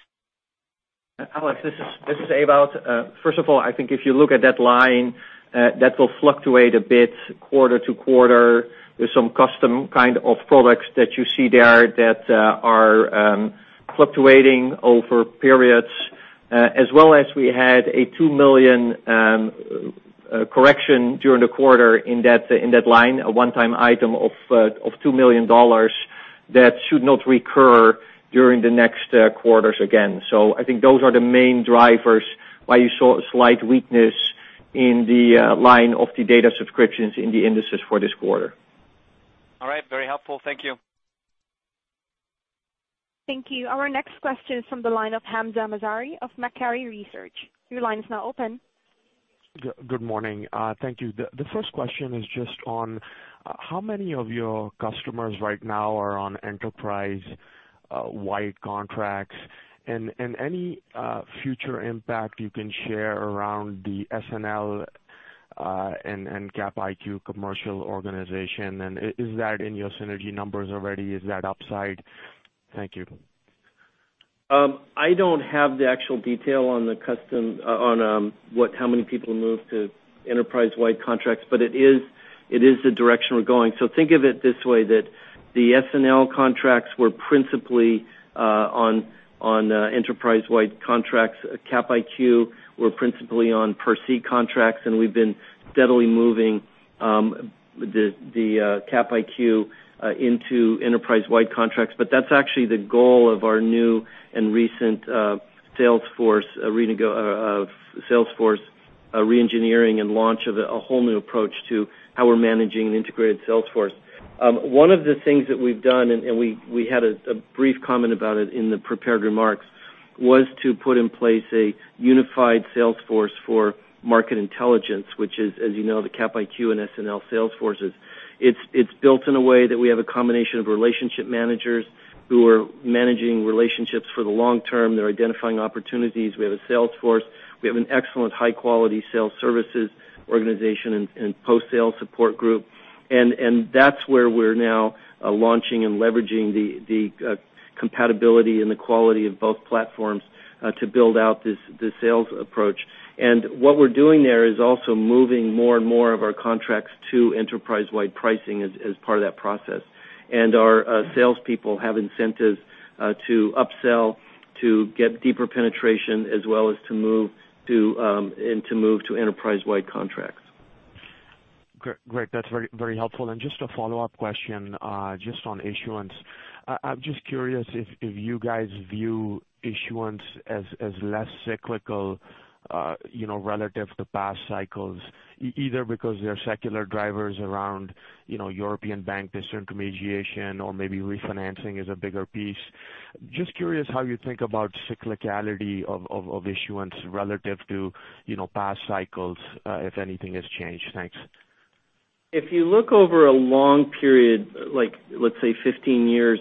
Alex, this is Ewout. First of all, I think if you look at that line, that will fluctuate a bit quarter-to-quarter. There's some custom kind of products that you see there that are fluctuating over periods, as well as we had a $2 million correction during the quarter in that line, a one-time item of $2 million that should not recur during the next quarters again. I think those are the main drivers why you saw a slight weakness in the line of the data subscriptions in the indices for this quarter. All right. Very helpful. Thank you. Thank you. Our next question is from the line of Hamzah Mazari of Macquarie Research. Your line is now open. Good morning. Thank you. The first question is just on how many of your customers right now are on enterprise-wide contracts and any future impact you can share around the SNL and Capital IQ commercial organization. Is that in your synergy numbers already? Is that upside? Thank you. I do not have the actual detail on how many people moved to enterprise-wide contracts, it is the direction we're going. Think of it this way, that the SNL contracts were principally on enterprise-wide contracts. Capital IQ were principally on per seat contracts, and we've been steadily moving the Capital IQ into enterprise-wide contracts. That's actually the goal of our new and recent sales force reengineering and launch of a whole new approach to how we're managing an integrated sales force. One of the things that we've done, and we had a brief comment about it in the prepared remarks, was to put in place a unified sales force for Market Intelligence, which is, as you know, the Capital IQ and SNL sales forces. It's built in a way that we have a combination of relationship managers who are managing relationships for the long term. They're identifying opportunities. We have a sales force. We have an excellent high-quality sales services organization and post-sale support group. That's where we're now launching and leveraging the compatibility and the quality of both platforms to build out this sales approach. What we're doing there is also moving more and more of our contracts to enterprise-wide pricing as part of that process. Our salespeople have incentives to upsell, to get deeper penetration, as well as to move to enterprise-wide contracts. Great. That's very helpful. Just a follow-up question, just on issuance. I'm just curious if you guys view issuance as less cyclical relative to past cycles, either because there are secular drivers around European bank disintermediation, or maybe refinancing is a bigger piece. Just curious how you think about cyclicality of issuance relative to past cycles, if anything has changed. Thanks. If you look over a long period, let's say 15 years,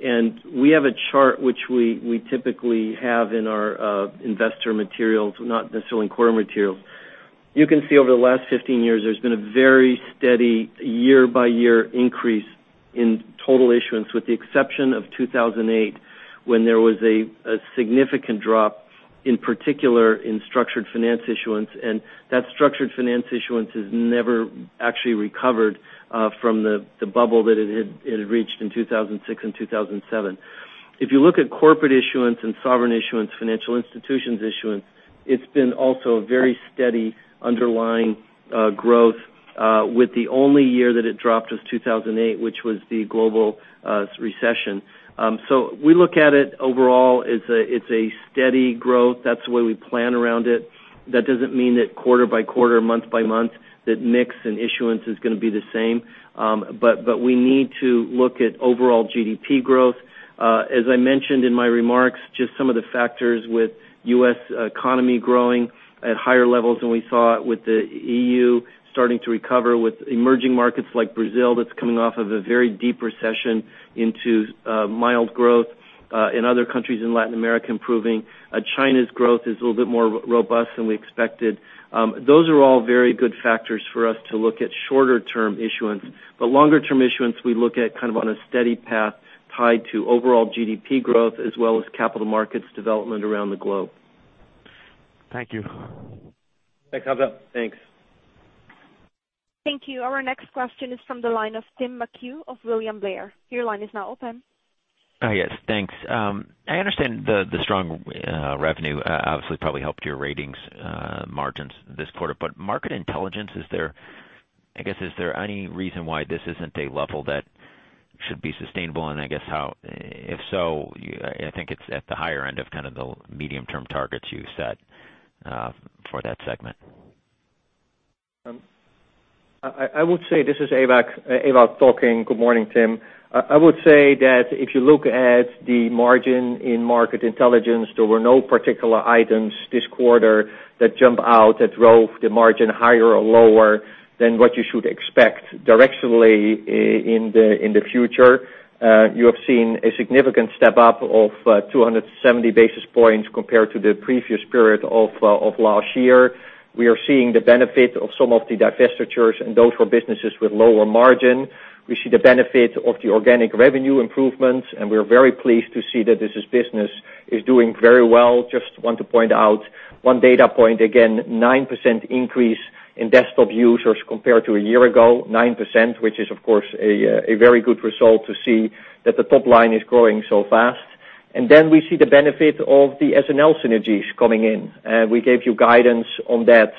and we have a chart which we typically have in our investor materials, not necessarily in quarter materials. You can see over the last 15 years, there's been a very steady year-by-year increase in total issuance, with the exception of 2008, when there was a significant drop, in particular in structured finance issuance, and that structured finance issuance has never actually recovered from the bubble that it had reached in 2006 and 2007. If you look at corporate issuance and sovereign issuance, financial institutions issuance, it's been also a very steady underlying growth with the only year that it dropped was 2008, which was the global recession. We look at it overall, it's a steady growth. That's the way we plan around it. That doesn't mean that quarter by quarter, month by month, that mix and issuance is going to be the same. We need to look at overall GDP growth. As I mentioned in my remarks, just some of the factors with U.S. economy growing at higher levels than we saw it, with the EU starting to recover, with emerging markets like Brazil that's coming off of a very deep recession into mild growth, and other countries in Latin America improving. China's growth is a little bit more robust than we expected. Those are all very good factors for us to look at shorter-term issuance. Longer-term issuance, we look at on a steady path tied to overall GDP growth as well as capital markets development around the globe. Thank you. Thanks, Hamzah. Thanks. Thank you. Our next question is from the line of Timothy McHugh of William Blair. Your line is now open. Yes. Thanks. I understand the strong revenue obviously probably helped your Ratings margins this quarter. Market Intelligence is there I guess, is there any reason why this isn't a level that should be sustainable? I guess, if so, I think it's at the higher end of kind of the medium-term targets you set for that segment. I would say, this is Ewout talking. Good morning, Tim. I would say that if you look at the margin in Market Intelligence, there were no particular items this quarter that jump out, that drove the margin higher or lower than what you should expect directionally in the future. You have seen a significant step-up of 270 basis points compared to the previous period of last year. We are seeing the benefit of some of the divestitures and those were businesses with lower margin. We see the benefit of the organic revenue improvements, and we're very pleased to see that this business is doing very well. Just want to point out one data point again, 9% increase in desktop users compared to a year ago. 9%, which is of course, a very good result to see that the top line is growing so fast. We see the benefit of the SNL synergies coming in. We gave you guidance on that,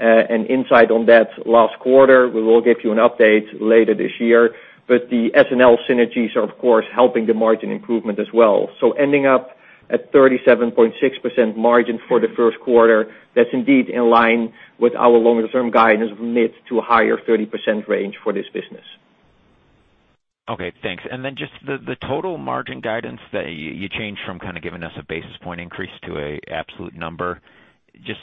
and insight on that last quarter. We will give you an update later this year. The SNL synergies are of course, helping the margin improvement as well. Ending up at 37.6% margin for the first quarter, that's indeed in line with our longer-term guidance mid to higher 30% range for this business. Okay, thanks. Just the total margin guidance that you changed from kind of giving us a basis point increase to a absolute number. Just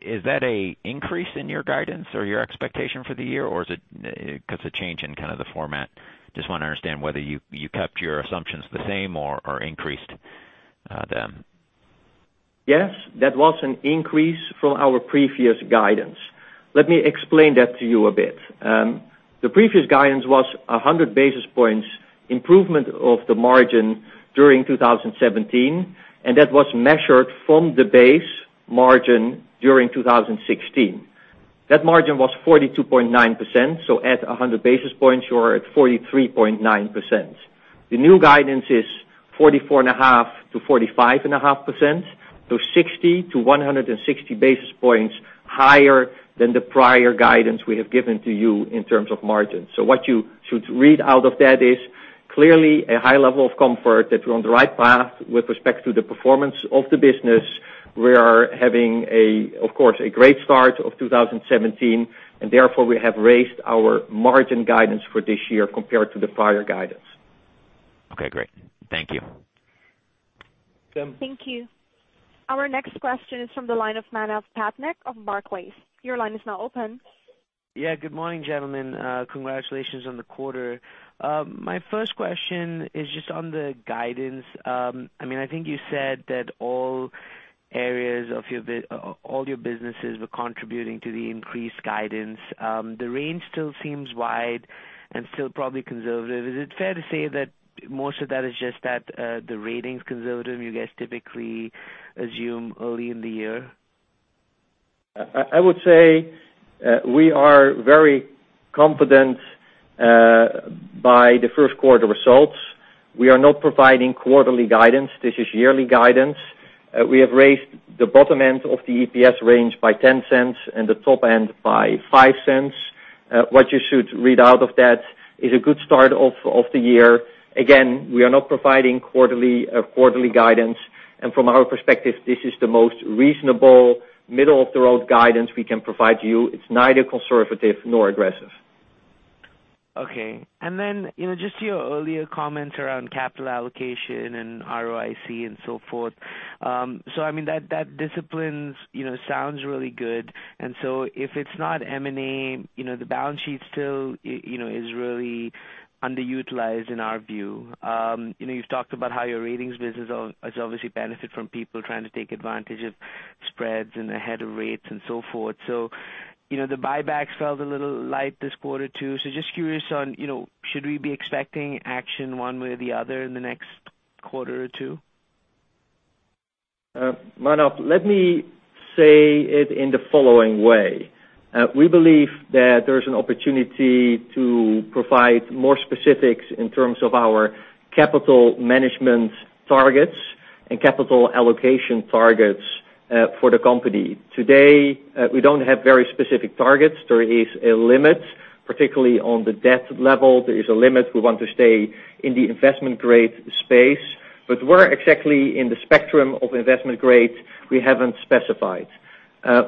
is that a increase in your guidance or your expectation for the year? Is it because the change in kind of the format, just want to understand whether you kept your assumptions the same or increased them. Yes. That was an increase from our previous guidance. Let me explain that to you a bit. The previous guidance was 100 basis points improvement of the margin during 2017, and that was measured from the base margin during 2016. That margin was 42.9%, so at 100 basis points, you are at 43.9%. The new guidance is 44.5%-45.5%, so 60-160 basis points higher than the prior guidance we have given to you in terms of margins. What you should read out of that is clearly a high level of comfort that we're on the right path with respect to the performance of the business. We are having a, of course, a great start of 2017, and therefore we have raised our margin guidance for this year compared to the prior guidance. Okay, great. Thank you. Tim. Thank you. Our next question is from the line of Manav Patnaik of Barclays. Your line is now open. Yeah, good morning, gentlemen. Congratulations on the quarter. My first question is just on the guidance. I think you said that all areas of all your businesses were contributing to the increased guidance. The range still seems wide and still probably conservative. Is it fair to say that most of that is just that, the ratings conservative, you guys typically assume early in the year? I would say, we are very confident by the first quarter results. We are not providing quarterly guidance. This is yearly guidance. We have raised the bottom end of the EPS range by $0.10 and the top end by $0.05. What you should read out of that is a good start of the year. Again, we are not providing quarterly guidance. From our perspective, this is the most reasonable middle-of-the-road guidance we can provide to you. It's neither conservative nor aggressive. Okay. Then, just your earlier comments around capital allocation and ROIC and so forth. I mean, that disciplines sounds really good, if it's not M&A, the balance sheet still is really underutilized in our view. You've talked about how your ratings business has obviously benefited from people trying to take advantage of spreads and ahead of rates and so forth. The buybacks felt a little light this quarter, too. Just curious on, should we be expecting action one way or the other in the next quarter or two? Manav, let me say it in the following way. We believe that there's an opportunity to provide more specifics in terms of our capital management targets and capital allocation targets for the company. Today, we don't have very specific targets. There is a limit, particularly on the debt level. There is a limit. We want to stay in the investment grade space. Where exactly in the spectrum of investment grade, we haven't specified.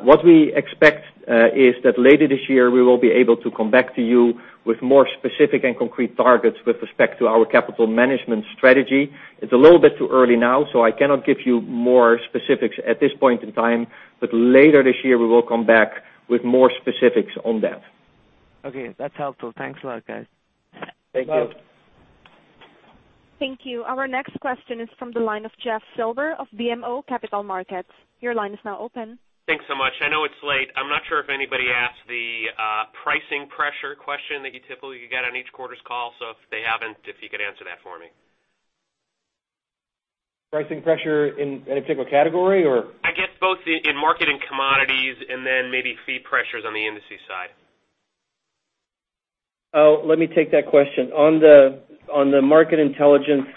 What we expect is that later this year, we will be able to come back to you with more specific and concrete targets with respect to our capital management strategy. It's a little bit too early now, I cannot give you more specifics at this point in time. Later this year, we will come back with more specifics on that. Okay, that's helpful. Thanks a lot, guys. Thank you. Thank you. Our next question is from the line of Jeffrey Silber of BMO Capital Markets. Your line is now open. Thanks so much. I know it's late. I'm not sure if anybody asked the pricing pressure question that you typically get on each quarter's call. If they haven't, if you could answer that for me. Pricing pressure in any particular category, or? I guess both in Market and Commodities, then maybe fee pressures on the Indices side. Let me take that question. On the Market Intelligence,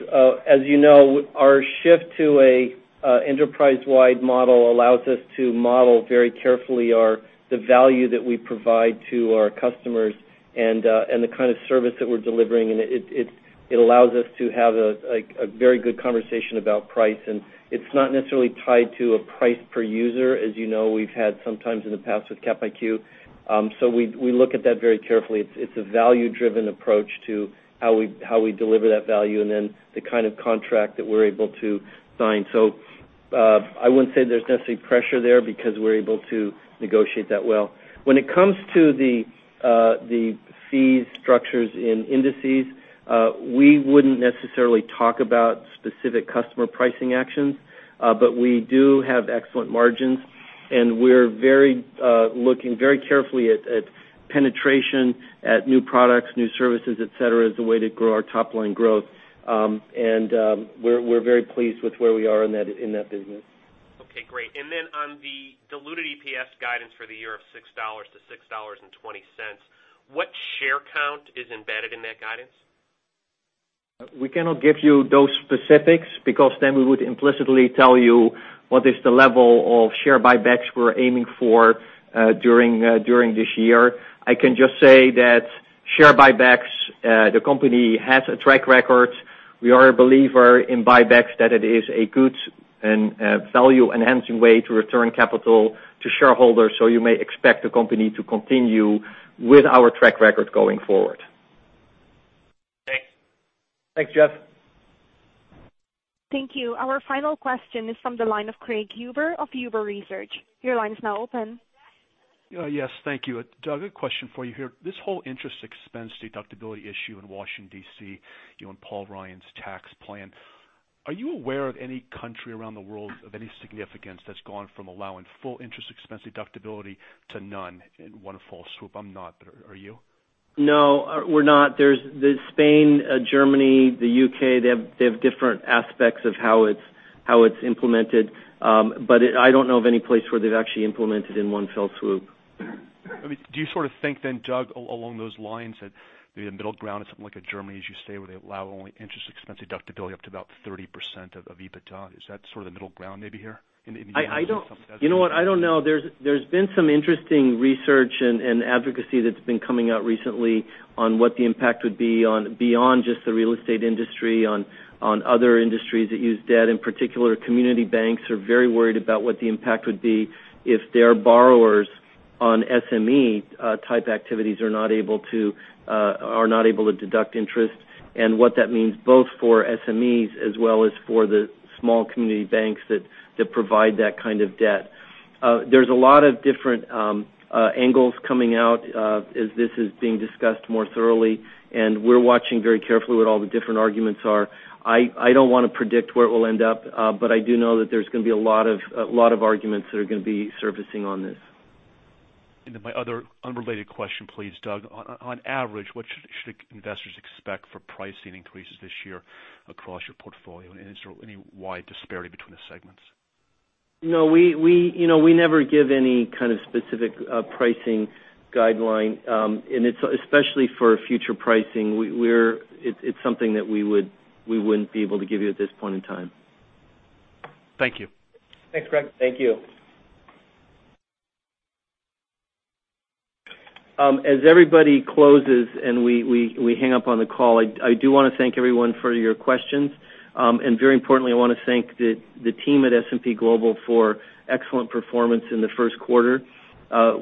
as you know, our shift to an enterprise-wide model allows us to model very carefully the value that we provide to our customers and the kind of service that we're delivering. It allows us to have a very good conversation about price, and it's not necessarily tied to a price per user as we've had sometimes in the past with Capital IQ. We look at that very carefully. It's a value-driven approach to how we deliver that value and the kind of contract that we're able to sign. I wouldn't say there's necessarily pressure there because we're able to negotiate that well. When it comes to the fee structures in Indices, we wouldn't necessarily talk about specific customer pricing actions. We do have excellent margins, we're looking very carefully at penetration, at new products, new services, et cetera, as a way to grow our top-line growth. We're very pleased with where we are in that business. Okay, great. On the diluted EPS guidance for the year of $6-$6.20, what share count is embedded in that guidance? We cannot give you those specifics because then we would implicitly tell you what is the level of share buybacks we're aiming for during this year. I can just say that share buybacks, the company has a track record. We are a believer in buybacks, that it is a good and value-enhancing way to return capital to shareholders. You may expect the company to continue with our track record going forward. Thanks. Thanks, Jeff. Thank you. Our final question is from the line of Craig Huber of Huber Research. Your line is now open. Yes, thank you. Doug, a question for you here. This whole interest expense deductibility issue in Washington, D.C., Paul Ryan's tax plan. Are you aware of any country around the world of any significance that's gone from allowing full interest expense deductibility to none in one fell swoop? I'm not, but are you? No, we're not. There's Spain, Germany, the U.K. They have different aspects of how it's implemented. I don't know of any place where they've actually implemented in one fell swoop. Do you sort of think then, Doug, along those lines that maybe a middle ground is something like a Germany, as you say, where they allow only interest expense deductibility up to about 30% of EBITDA? Is that sort of the middle ground maybe here in the U.S.? Something like that. You know what? I don't know. There's been some interesting research and advocacy that's been coming out recently on what the impact would be beyond just the real estate industry, on other industries that use debt. In particular, community banks are very worried about what the impact would be if their borrowers on SME-type activities are not able to deduct interest and what that means both for SMEs as well as for the small community banks that provide that kind of debt. There's a lot of different angles coming out as this is being discussed more thoroughly. We're watching very carefully what all the different arguments are. I don't want to predict where it will end up. I do know that there's going to be a lot of arguments that are going to be surfacing on this. My other unrelated question, please, Doug. On average, what should investors expect for pricing increases this year across your portfolio? Is there any wide disparity between the segments? No. We never give any kind of specific pricing guideline, especially for future pricing. It's something that we wouldn't be able to give you at this point in time. Thank you. Thanks, Craig. Thank you. As everybody closes and we hang up on the call, I do want to thank everyone for your questions. Very importantly, I want to thank the team at S&P Global for excellent performance in the first quarter.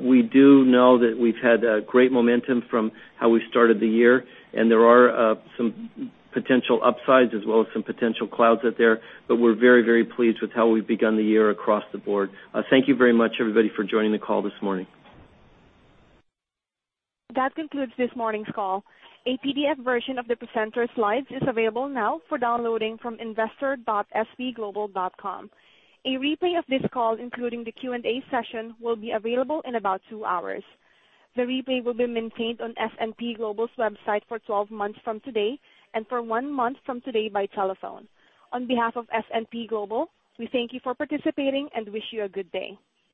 We do know that we've had great momentum from how we started the year, there are some potential upsides as well as some potential clouds out there. We're very, very pleased with how we've begun the year across the board. Thank you very much, everybody, for joining the call this morning. That concludes this morning's call. A PDF version of the presenter slides is available now for downloading from investor.spglobal.com. A replay of this call, including the Q&A session, will be available in about two hours. The replay will be maintained on S&P Global's website for 12 months from today and for one month from today by telephone. On behalf of S&P Global, we thank you for participating and wish you a good day.